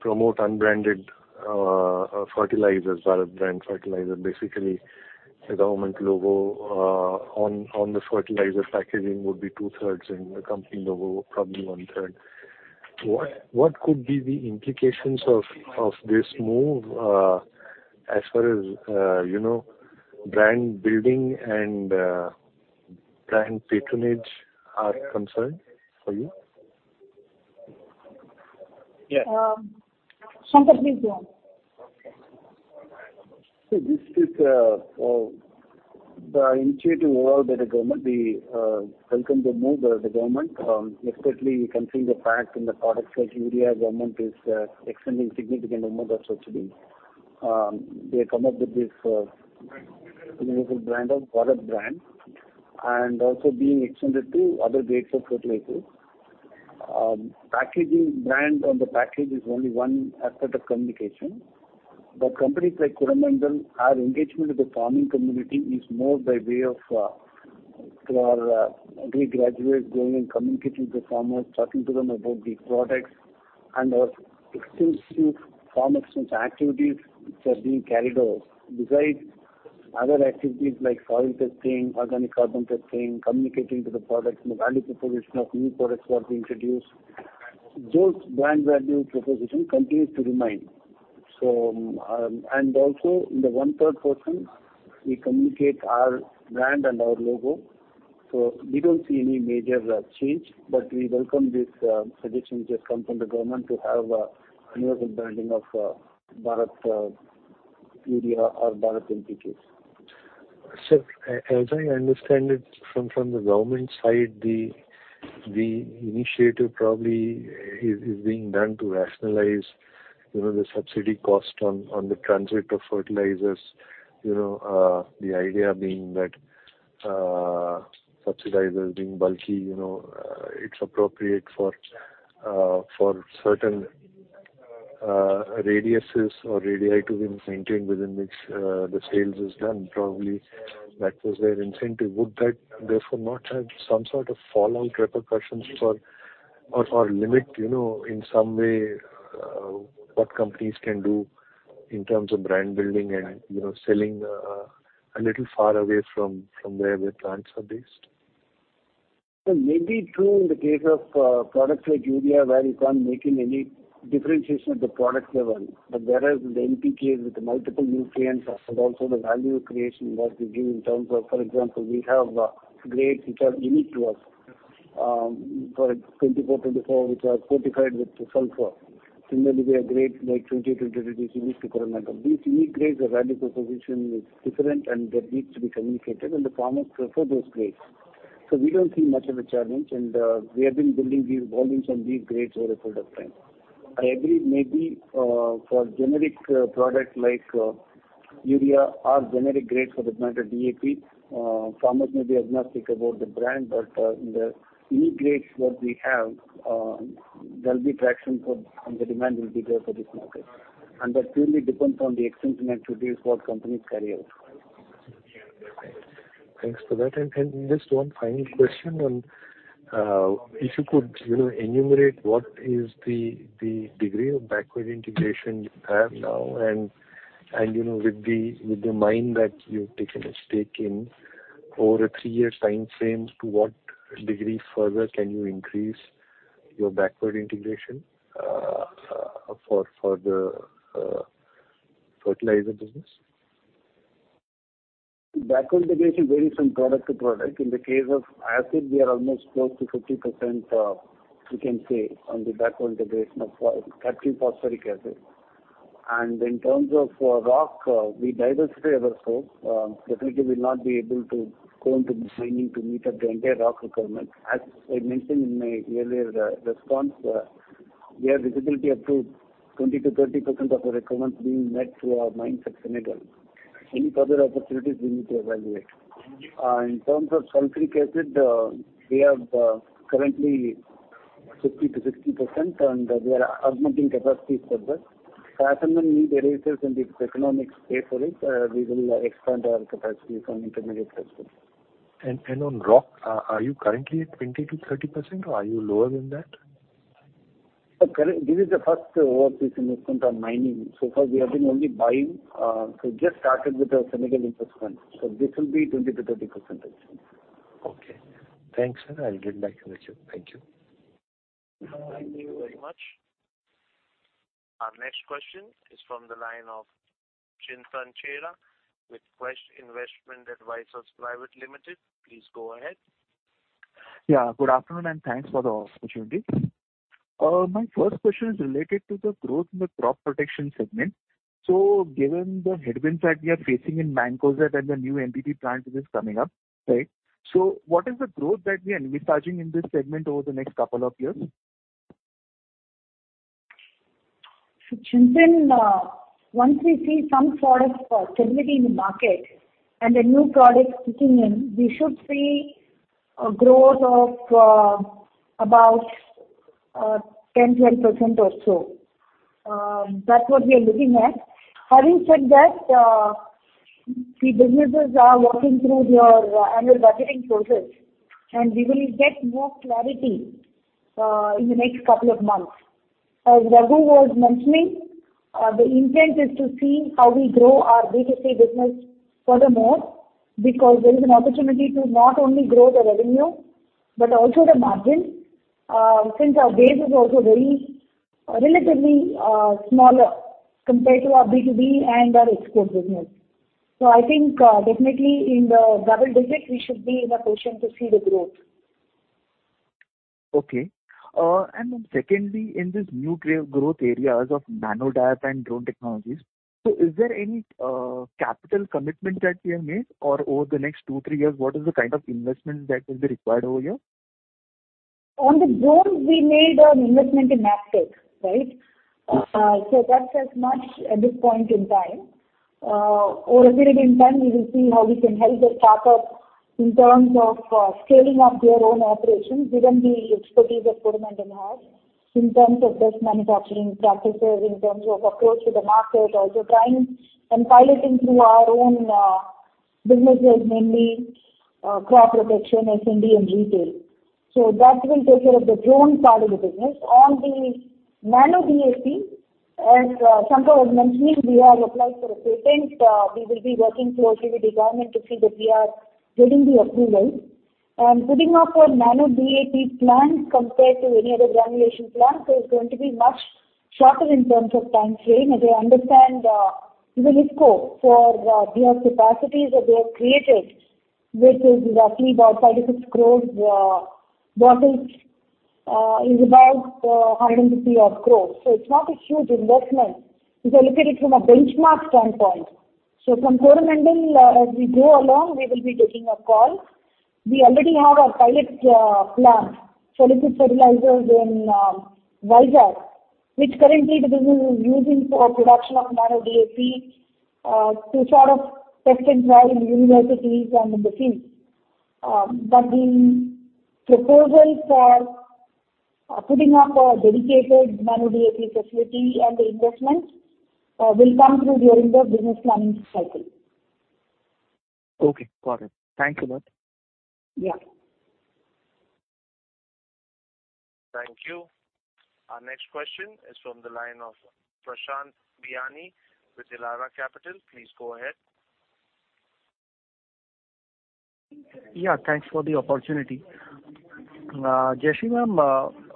promote unbranded fertilizers, Bharat brand fertilizer. Basically, the government logo on the fertilizer packaging would be 2/3 and the company logo probably 1/3. What could be the implications of this move as far as, you know, brand building and brand patronage are concerned for you? Yeah. Sankar, please go on. This is the initiative overall by the government. We welcome the move of the government. Especially considering the fact in the products like urea, government is extending significant amount of subsidy. They have come up with this universal brand of Bharat brand, also being extended to other grades of fertilizers. Packaging brand on the package is only one aspect of communication. Companies like Coromandel, our engagement with the farming community is more by way of through our degree graduates going and communicating with the farmers, talking to them about these products and our extensive farmer exchange activities which are being carried out. Besides other activities like soil testing, organic carbon testing, communicating to the products and the value proposition of new products what we introduce. Those brand value proposition continues to remain. And also in the 1/3 portion we communicate our brand and our logo, so we don't see any major change. We welcome this suggestion which has come from the government to have universal branding of Bharat Urea or Bharat NPKs. Sir, as I understand it from the government side, the initiative probably is being done to rationalize, you know, the subsidy cost on the transit of fertilizers. You know, the idea being that subsidizers being bulky, you know, it's appropriate for certain radiuses or radii to be maintained within which the sales is done. Probably that was their incentive. Would that therefore not have some sort of fallout repercussions for or limit, you know, in some way, what companies can do in terms of brand building and, you know, selling a little far away from where their plants are based? Maybe true in the case of products like urea where you can't make any differentiation at the product level. Whereas with the NPK, with the multiple nutrients and also the value creation what we give in terms of, for example, we have grades which are unique to us. For 24-24 which are fortified with sulfur. Similarly, we have grades like 28-28 which is unique to Coromandel. These unique grades, the value proposition is different and that needs to be communicated, and the farmers prefer those grades. We don't see much of a challenge. We have been building these volumes on these grades over a period of time. I agree maybe for generic product like urea or generic grades for that matter, DAP, farmers may be agnostic about the brand. In the unique grades what we have, there'll be traction for and the demand will be there for this market. That purely depends on the extension activities what companies carry out. Thanks for that. Just one final question on, if you could, you know, enumerate what is the degree of backward integration you have now and, you know, with the mine that you've taken a stake in, over a three-year time frame, to what degree further can you increase your backward integration, for the fertilizer business? Backward integration varies from product to product. In the case of acid, we are almost close to 50%, you can say, on the backward integration of hydrochloric, phosphoric acid. In terms of rock, we diversify our scope. Definitely we'll not be able to go into mining to meet up the entire rock requirement. As I mentioned in my earlier response, we have visibility up to 20%-30% of the requirements being met through our mines at Senegal. Any further opportunities we need to evaluate. In terms of sulfuric acid, we have currently 50%-60%, and we are augmenting capacities for that. As and when need arises and if economics pay for it, we will expand our capacities on intermediate products. And on rock, are you currently at 20%-30% or are you lower than that? Sir, this is the first overseas investment on mining. So far we have been only buying, so just started with the Senegal investment. This will be 20%-30% investment. Okay. Thanks, sir. I'll get back to you. Thank you. Thank you. Thank you very much. Our next question is from the line of Chintan Chheda with Quest Investment Advisors Private Limited. Please go ahead. Good afternoon, thanks for the opportunity. My first question is related to the growth in the crop protection segment. Given the headwinds that we are facing in Mancozeb and the new MPP plant which is coming up, right? What is the growth that we are envisaging in this segment over the next couple of years? Chintan, once we see some sort of stability in the market and the new products kicking in, we should see a growth of about 10%-12% or so. That's what we are looking at. Having said that, the businesses are working through their annual budgeting process, and we will get more clarity in the next couple of months. As Raghu was mentioning, the intent is to see how we grow our B2C business furthermore, because there is an opportunity to not only grow the revenue but also the margin, since our base is also very relatively smaller compared to our B2B and our export business. I think, definitely in the double digits we should be in a position to see the growth. Okay. Secondly, in this new growth areas of nano DAP and drone technologies, is there any capital commitment that we have made? Over the next two, three years, what is the kind of investment that will be required over here? On the drones, we made an investment in [Agtech], right? Mm-hmm. That's as much at this point in time. Over a period in time, we will see how we can help the startup in terms of scaling up their own operations, given the expertise that Coromandel has in terms of best manufacturing practices, in terms of approach to the market, also trying and piloting through our own businesses, mainly crop protection, SND and retail. That will take care of the drone part of the business. On the nano DAP, as Sankar was mentioning, we have applied for a patent. We will be working closely with the government to see that we are getting the approval. Putting up a nano DAP plant compared to any other granulation plant is going to be much shorter in terms of time frame. As I understand, even IFFCO for their capacities that they have created, which is roughly about 56 crore bottles, is about INR 150 odd crores. It's not a huge investment if you look at it from a benchmark standpoint. From Coromandel, as we go along, we will be taking a call. We already have our pilot plant for liquid fertilizers in Vizag, which currently the business is using for production of nano DAP to sort of test and try in universities and in the field. The proposal for putting up a dedicated nano DAP facility and the investment will come through during the business planning cycle. Okay, got it. Thanks a lot. Yeah. Thank you. Our next question is from the line of Prashant Biyani with Elara Capital. Please go ahead. Thanks for the opportunity. Jayashree ma'am,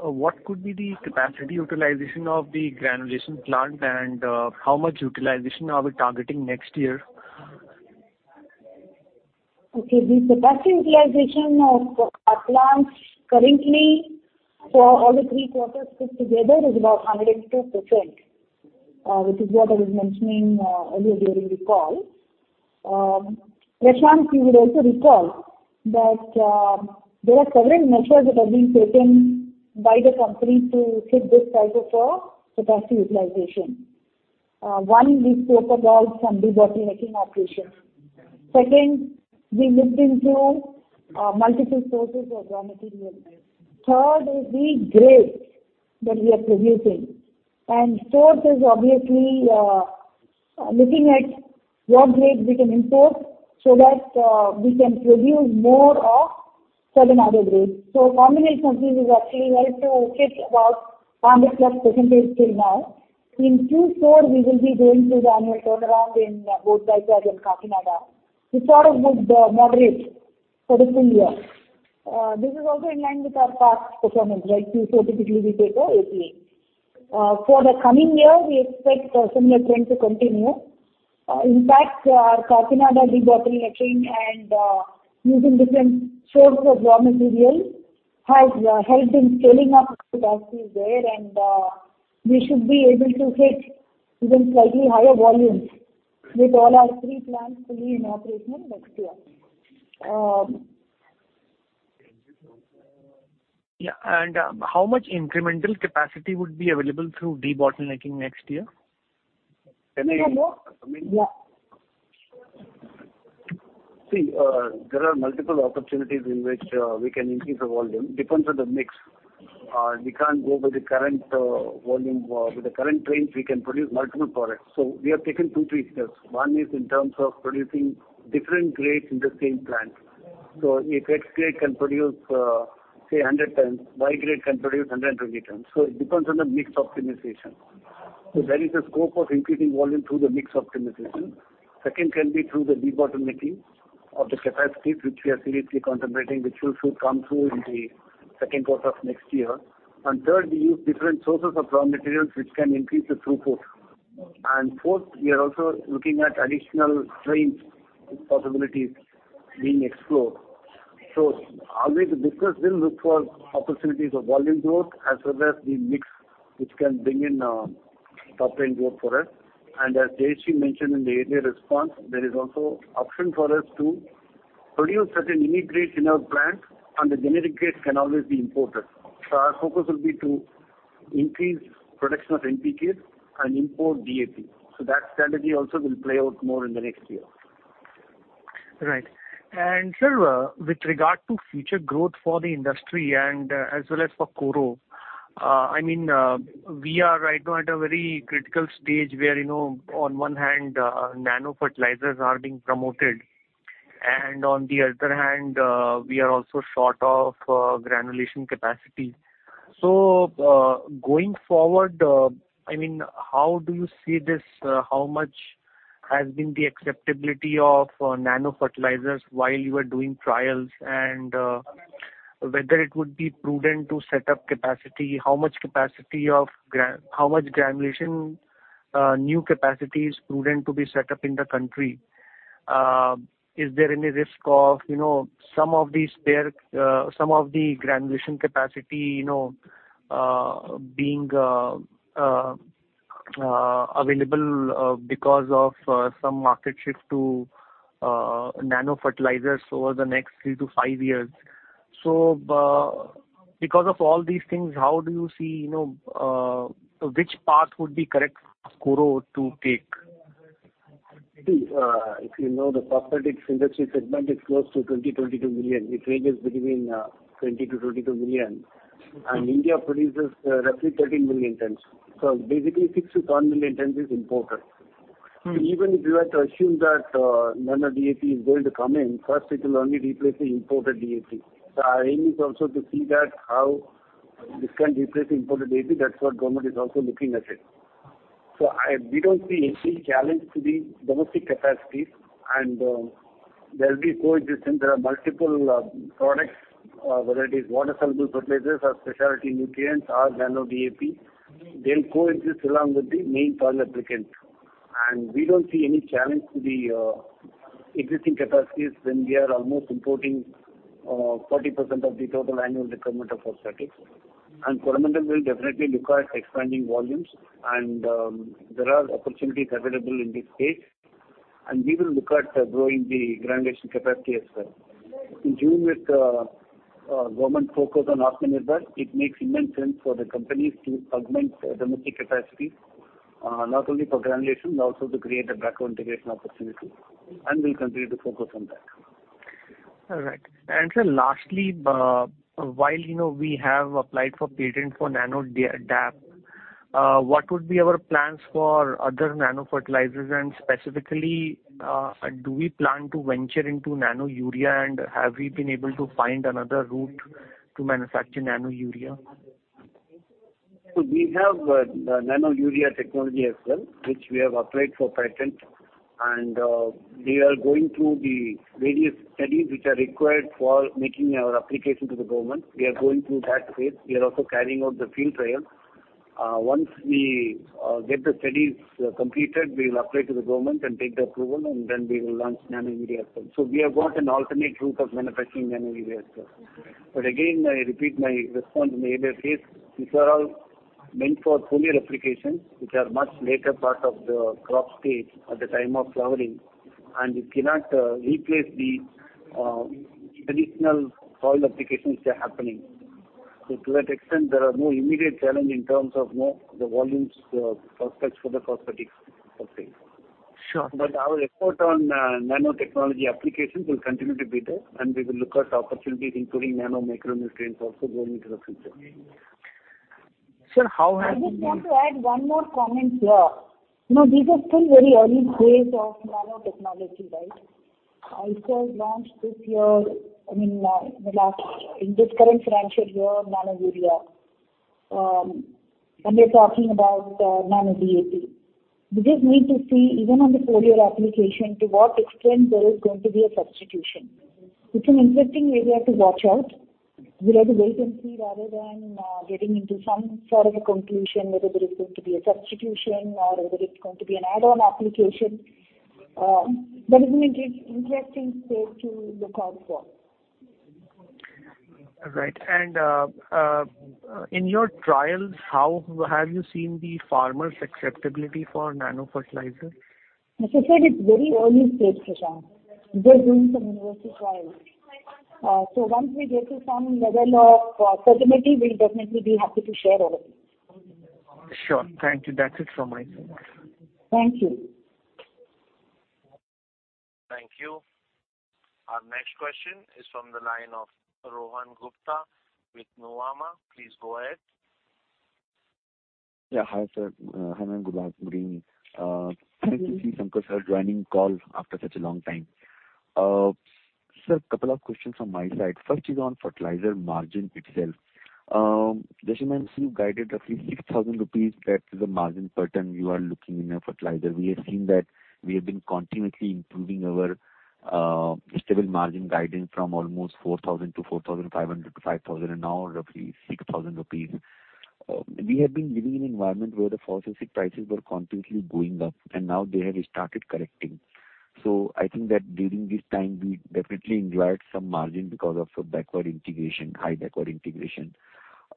what could be the capacity utilization of the granulation plant, and how much utilization are we targeting next year? Okay. The capacity utilization of our plants currently for all the three quarters put together is about 102%, which is what I was mentioning earlier during the call. Prashant, you would also recall that there are several measures that are being taken by the company to hit this type of capacity utilization. One is debottlenecking and debottlenecking operations. Second, we looked into multiple sources of raw material. Third is the grades that we are producing. Fourth is obviously looking at what grades we can import so that we can produce more of certain other grades. Combination of these has actually helped to hit about 100%+ till now. In Q4 we will be going through the annual turnaround in both Vizag and Kakinada, which sort of would moderate for the full year. This is also in line with our past performance, right? Q4 typically we take a APA. For the coming year, we expect a similar trend to continue. In fact, our Kakinada debottlenecking and, using different source of raw material has, helped in scaling up capacity there. We should be able to hit even slightly higher volumes with all our three plants fully in operation next year. Yeah. How much incremental capacity would be available through debottlenecking next year? Yeah. There are multiple opportunities in which we can increase the volume. Depends on the mix. We can't go by the current volume. With the current trains, we can produce multiple products. We have taken two, three steps. One is in terms of producing different grades in the same plant. If X grade can produce, say, 100 tons, Y grade can produce 120 tons. It depends on the mix optimization. There is a scope of increasing volume through the mix optimization. Second can be through the debottlenecking of the capacities, which we are seriously contemplating, which will soon come through in the second quarter of next year. Third, we use different sources of raw materials which can increase the throughput. Fourth, we are also looking at additional trains possibilities being explored. Always the business will look for opportunities of volume growth as well as the mix which can bring in top line growth for us. As Jayashree mentioned in the earlier response, there is also option for us to produce certain unique grades in our plant, and the generic grades can always be imported. Our focus will be to increase production of NPK and import DAP. That strategy also will play out more in the next year. Right. Sir, with regard to future growth for the industry and as well as for Coro, I mean, we are right now at a very critical stage where, you know, on one hand, Nano fertilizers are being promoted, and on the other hand, we are also short of granulation capacity. Going forward, I mean, how do you see this? How much has been the acceptability of nano fertilizers while you are doing trials, and whether it would be prudent to set up capacity? How much granulation new capacity is prudent to be set up in the country? Is there any risk of, you know, some of the spare, some of the granulation capacity, you know, being available because of some market shift to nano fertilizers over the next three to five years? Because of all these things, how do you see, you know, which path would be correct for Coro to take? If you know, the phosphate industry segment is close to 20 million-22 million. It ranges between 20 million-22 million. India produces roughly 13 million tons. Basically six to 10 million tons is imported. Even if you were to assume that nano DAP is going to come in, first it will only replace the imported DAP. Our aim is also to see that how this can replace imported DAP. That's what government is also looking at it. We don't see any challenge to the domestic capacities, and there will be coexistence. There are multiple products, whether it is water-soluble fertilizers or specialty nutrients or nano DAP, they'll coexist along with the main soil applicant. We don't see any challenge to the existing capacities when we are almost importing 40% of the total annual requirement of phosphate. Coromandel will definitely look at expanding volumes and there are opportunities available in this space, and we will look at growing the granulation capacity as well. In tune with government focus on Aatmanirbhar, it makes immense sense for the companies to augment domestic capacity, not only for granulation, but also to create a backward integration opportunity. We'll continue to focus on that. All right. Sir, lastly, while, you know, we have applied for patent for nano DAP, what would be our plans for other nano fertilizers? Specifically, do we plan to venture into Nano Urea, and have we been able to find another route to manufacture Nano Urea? We have the nano urea technology as well, which we have applied for patent, we are going through the various studies which are required for making our application to the government. We are going through that phase. We are also carrying out the field trial. Once we get the studies completed, we will apply to the government and take the approval, then we will launch Nano Urea as well. We have got an alternate route of manufacturing Nano Urea as well. Again, I repeat my response in the earlier case. These are all meant for foliar applications which are much later part of the crop stage at the time of flowering, it cannot replace the traditional soil applications which are happening. To that extent, there are no immediate challenge in terms of, you know, the volumes, prospects for the phosphate offering. Sure. Our effort on nanotechnology applications will continue to be there, and we will look at opportunities including nano, micronutrients also going into the future. Sir, how have you-? I just want to add one more comment here. You know, these are still very early phase of nanotechnology, right? ICAR launched this year, I mean, in this current financial year, Nano Urea, and we're talking about nano DAP. We just need to see even on the foliar application to what extent there is going to be a substitution. It's an interesting area to watch out. We'll have to wait and see rather than getting into some sort of a conclusion whether there is going to be a substitution or whether it's going to be an add-on application. That is an interesting space to look out for. All right. In your trials, how have you seen the farmers acceptability for nano fertilizer? As I said, it's very early stage Prashant. We're doing some university trials. Once we get to some level of certainty, we'll definitely be happy to share our views. Sure. Thank you. That's it from my side. Thank you. Next question is from the line of Rohan Gupta with Nuvama. Please go ahead. Yeah. Hi, sir. Hi, ma'am. Good afternoon. Thank you, Sankar sir, joining call after such a long time. A couple of questions from my side. First is on fertilizer margin itself. As you mentioned, you guided roughly 6,000 rupees that is the margin per ton you are looking in a fertilizer. We have seen that we have been continuously improving our stable margin guidance from almost 4,000-INR 4,500-NR 5,000 and now roughly 6,000 rupees. We have been living in an environment where the phosphate prices were constantly going up and now they have started correcting. I think that during this time, we definitely enjoyed some margin because of the backward integration, high backward integration.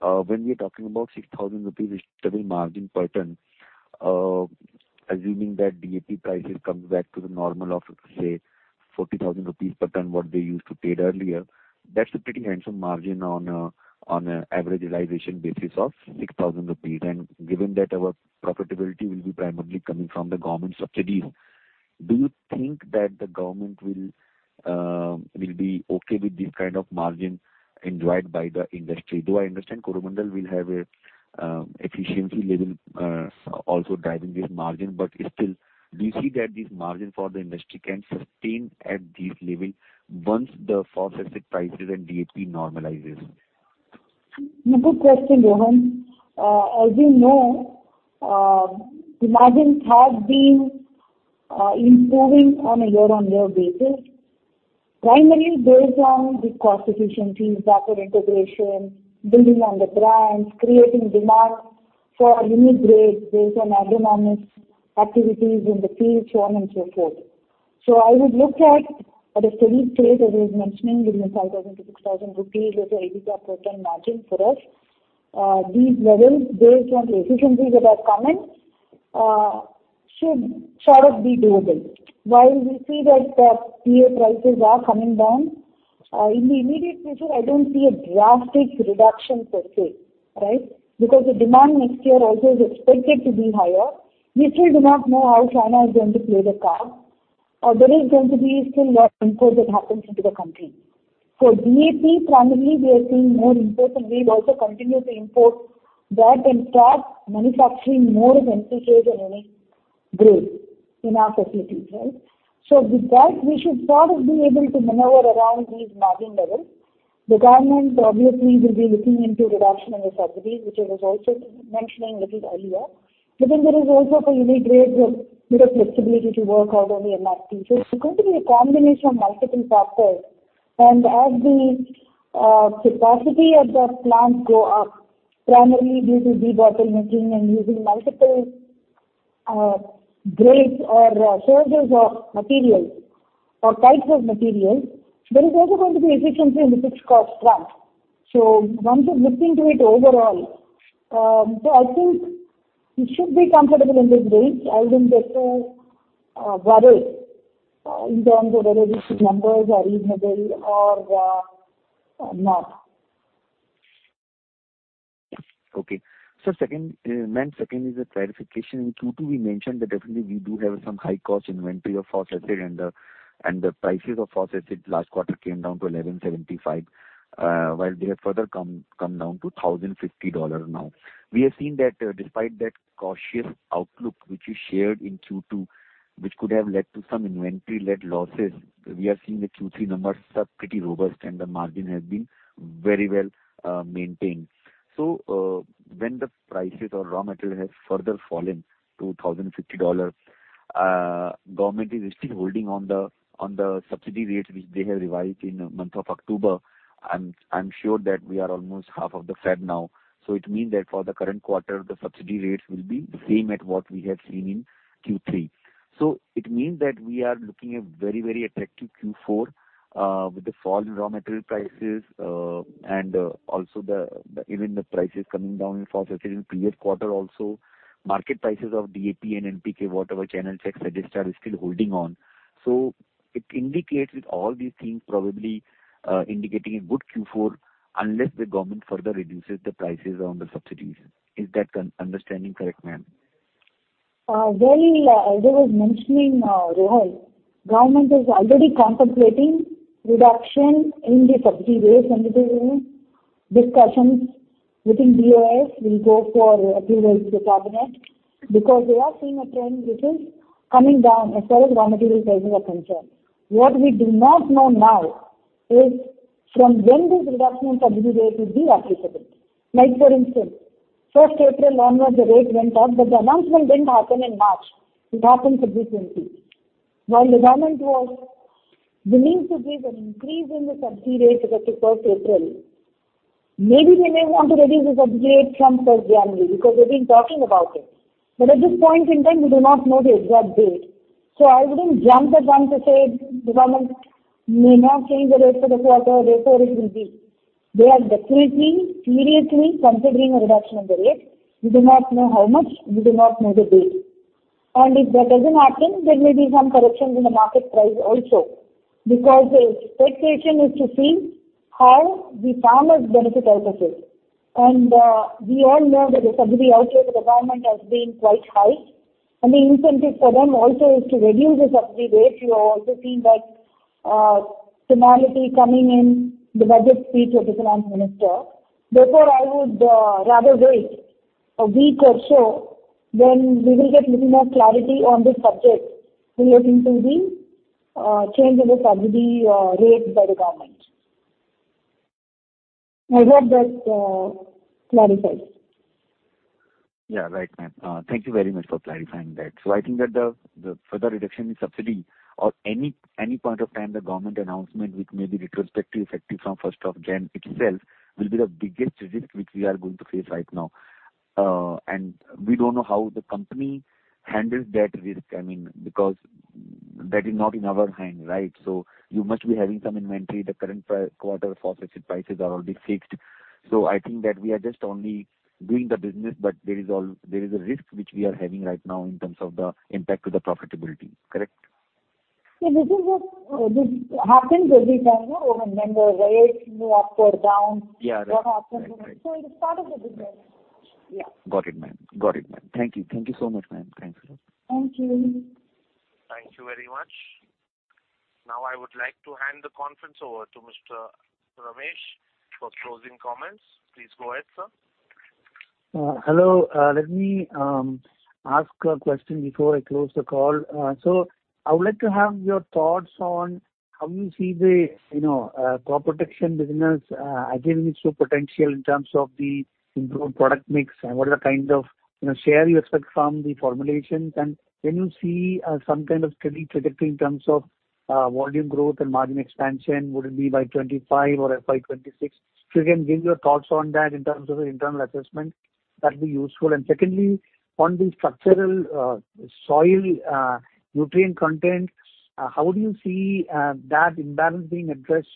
When we are talking about 6,000 rupees stable margin per ton, assuming that DAP prices come back to the normal of say 40,000 rupees per ton, what they used to pay earlier, that's a pretty handsome margin on an average realization basis of 6,000 rupees. Given that our profitability will be primarily coming from the government subsidies, do you think that the government will be okay with this kind of margin enjoyed by the industry? Though I understand Coromandel will have an efficiency level also driving this margin. Still, do you see that this margin for the industry can sustain at this level once the phosphate prices and DAP normalizes? A good question, Rohan. As you know, margins have been improving on a year-on-year basis, primarily based on the cost efficiency, backward integration, building on the brands, creating demand for unique grades based on agronomist activities in the field, so on and so forth. I would look at a steady state, as I was mentioning, between INR 5,000-INR 6,000 as a EBITDA per ton margin for us. These levels based on the efficiencies that are coming, should sort of be doable. We see that the PA prices are coming down, in the immediate future, I don't see a drastic reduction per se, right? Because the demand next year also is expected to be higher. We still do not know how China is going to play the card. There is going to be still more imports that happens into the country. For DAP, primarily we are seeing more imports, and we've also continued to import that and start manufacturing more of NPK than any grade in our facilities, right? With that, we should sort of be able to maneuver around these margin levels. The government probably will be looking into reduction in the subsidies, which I was also mentioning little earlier. There is also for unique grades a bit of flexibility to work out on the MRP. It's going to be a combination of multiple factors. As the capacity of the plants go up, primarily due to debottlenecking and using multiple grades or sources of materials or types of materials, there is also going to be efficiency in the fixed cost front. One should look into it overall. I think we should be comfortable in this range. I wouldn't get worried in terms of whether these numbers are reasonable or not. Okay. Second, ma'am, second is a clarification. In Q2 we mentioned that definitely we do have some high cost inventory of phosphate and the prices of phosphate last quarter came down to $1,175, while they have further come down to $1,050 now. We have seen that, despite that cautious outlook which you shared in Q2, which could have led to some inventory-led losses, we are seeing the Q3 numbers are pretty robust and the margin has been very well maintained. When the prices of raw material has further fallen to $1,050, government is still holding on the subsidy rates which they have revised in month of October. I'm sure that we are almost half of the fed now. It means that for the current quarter, the subsidy rates will be the same at what we have seen in Q3. It means that we are looking at very, very attractive Q4 with the fall in raw material prices, and also the even the prices coming down in phosphate in previous quarter also. Market prices of DAP and NPK, whatever channel checks suggest are still holding on. It indicates with all these things probably indicating a good Q4 unless the government further reduces the prices on the subsidies. Is that understanding correct, ma'am? Well, as I was mentioning, Rohan, Government is already contemplating reduction in the subsidy rates and there is discussions within DOF will go for approval to the Cabinet because they are seeing a trend which is coming down as far as raw material prices are concerned. What we do not know now is from when this reduction in subsidy rates will be applicable. Like for instance, first April onwards the rate went up. The announcement didn't happen in March. It happened subsequently. While the Government was willing to give an increase in the subsidy rate effective first April, maybe they may want to reduce the subsidy rate from first January because they've been talking about it. At this point in time, we do not know the exact date. I wouldn't jump the gun to say the government may not change the rate for the quarter therefore it will be. They are definitely seriously considering a reduction in the rate. We do not know how much. We do not know the date. If that doesn't happen, there may be some corrections in the market price also because the expectation is to see how the farmers benefit out of it. We all know that the subsidy outflow for the government has been quite high. The incentive for them also is to reduce the subsidy ratio. Also seen that formality coming in the budget speech of the finance minister. I would rather wait a week or so, then we will get little more clarity on this subject relating to the change in the subsidy rate by the government. I hope that clarifies. Yeah, right, ma'am. Thank you very much for clarifying that. I think that the further reduction in subsidy or any point of time the government announcement which may be retrospective effective from 1st of January itself will be the biggest risk which we are going to face right now. We don't know how the company handles that risk. I mean, because that is not in our hand, right? You must be having some inventory. The current quarter forecasted prices are already fixed. I think that we are just only doing the business. There is a risk which we are having right now in terms of the impact to the profitability. Correct? Yeah. This is what, this happens every time, you know, when the rates move up or down. Yeah, right. that happens. Right. Right. It is part of the business. Yeah. Got it, ma'am. Got it, ma'am. Thank you. Thank you so much, ma'am. Thanks a lot. Thank you. Thank you very much. I would like to hand the conference over to Mr. Ramesh for closing comments. Please go ahead, sir. Hello. Let me ask a question before I close the call. I would like to have your thoughts on how you see the Crop Protection Business, again, its true potential in terms of the improved product mix and what are the kinds of share you expect from the formulations. Can you see some kind of steady trajectory in terms of volume growth and margin expansion? Would it be by 2025 or FY 2026? If you can give your thoughts on that in terms of the internal assessment, that'd be useful. Secondly, on the structural soil Nutrient content, how do you see that imbalance being addressed?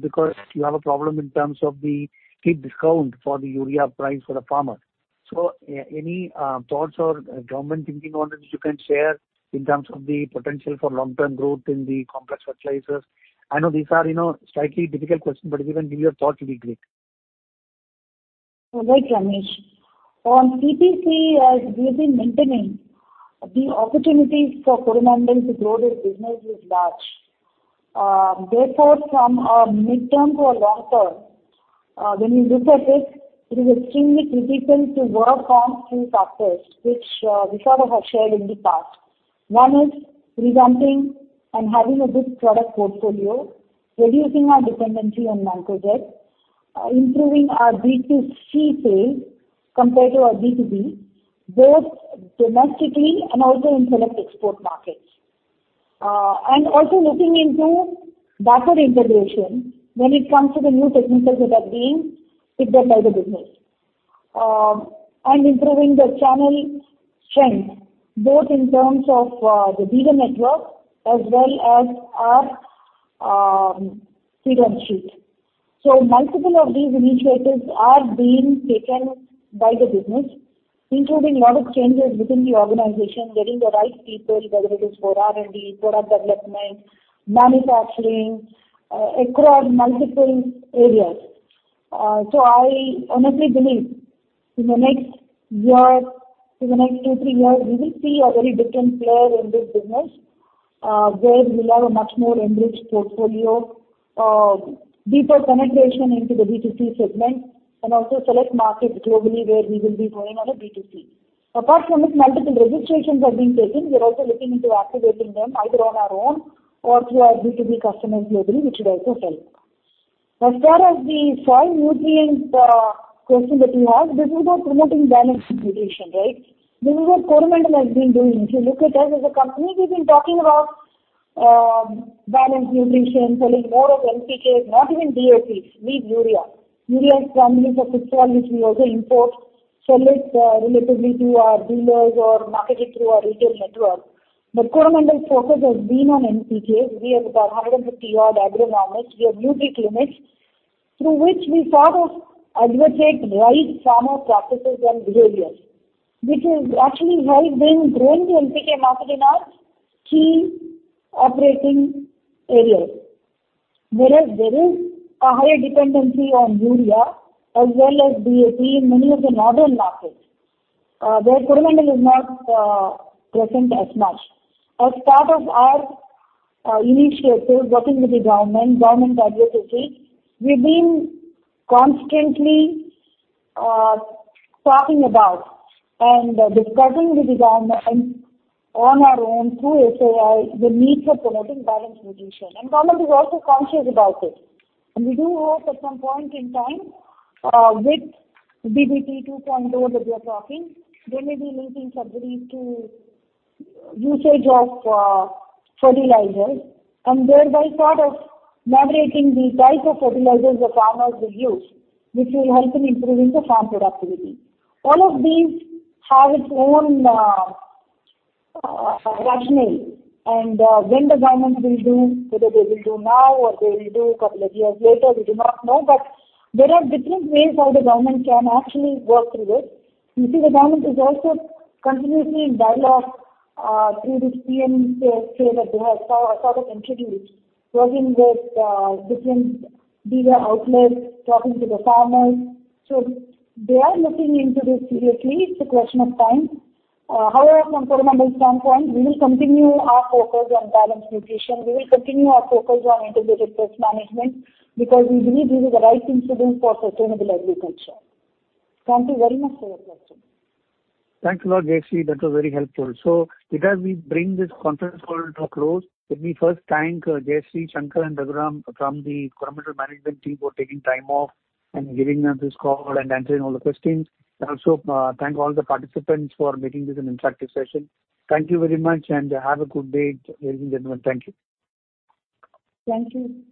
Because you have a problem in terms of the steep discount for the Urea price for the farmer. Any thoughts or government thinking on it you can share in terms of the potential for long-term growth in the complex fertilizers. I know these are, you know, slightly difficult questions, but if you can give your thoughts, it'd be great. All right, Ramesh. On CPC, as we have been maintaining, the opportunities for Coromandel to grow their business is large. Therefore from a midterm to a long term, when you look at it is extremely critical to work on few factors which we sort of have shared in the past. One is revamping and having a good product portfolio, reducing our dependency on Mancozeb, improving our B2C sales compared to our B2B, both domestically and also in select export markets. And also looking into backward integration when it comes to the new technical that are being picked up by the business. And improving the channel strength both in terms of the dealer network as well as our [seed and sheet]. Multiple of these initiatives are being taken by the business, including lot of changes within the organization, getting the right people, whether it is for R&D, product development, manufacturing, across multiple areas. I honestly believe in the next year, in the next two, three years, we will see a very different player in this business, where we'll have a much more enriched portfolio, deeper penetration into the B2C segment and also select markets globally where we will be growing on a B2C. Apart from this, multiple registrations are being taken. We are also looking into activating them either on our own or through our B2B customers globally, which would also help. As far as the soil nutrients, question that you asked, this is about promoting balanced nutrition, right? This is what Coromandel has been doing. If you look at us as a company, we've been talking about balanced nutrition, selling more of NPKs, not even DAPs, be it urea. Urea is primarily for first one which we also import, sell it relatively through our dealers or market it through our retail network. Coromandel's focus has been on NPKs. We have about 150 odd agronomists. We have nutrient clinics through which we sort of advocate right farmer practices and behaviors, which is actually has been growing the NPK market in our key operating areas. Whereas there is a higher dependency on urea as well as DAP in many of the northern markets, where Coromandel is not present as much. As part of our initiatives working with the government advocacy, we've been constantly talking about and discussing with the government on our own through FAI the need for promoting balanced nutrition. Government is also conscious about it. We do hope at some point in time with DBT 2.0 that they are talking, they may be linking subsidies to usage of fertilizers and thereby sort of moderating the type of fertilizers the farmers will use, which will help in improving the farm productivity. All of these have its own rationale. When the government will do, whether they will do now or they will do couple of years later, we do not know. There are different ways how the government can actually work through this. You see, the government is also continuously in dialogue, through this PM CARES that they have sort of introduced, working with different dealer outlets, talking to the farmers. They are looking into this seriously. It's a question of time. From Coromandel's standpoint, we will continue our focus on balanced nutrition. We will continue our focus on integrated pest management because we believe this is the right incident for sustainable agriculture. Thank you very much for your question. Thanks a lot, Jayashree. That was very helpful. With that, we bring this conference call to a close. Let me first thank Jayashree, Sankar and Raghuram from the Coromandel management team for taking time off and giving us this call and answering all the questions. Also, thank all the participants for making this an interactive session. Thank you very much and have a good day ladies and gentlemen. Thank you. Thank you.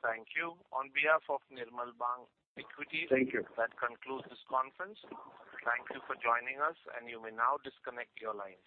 Thank you. On behalf of Nirmal Bang Equities. Thank you. That concludes this conference. Thank you for joining us and you may now disconnect your lines.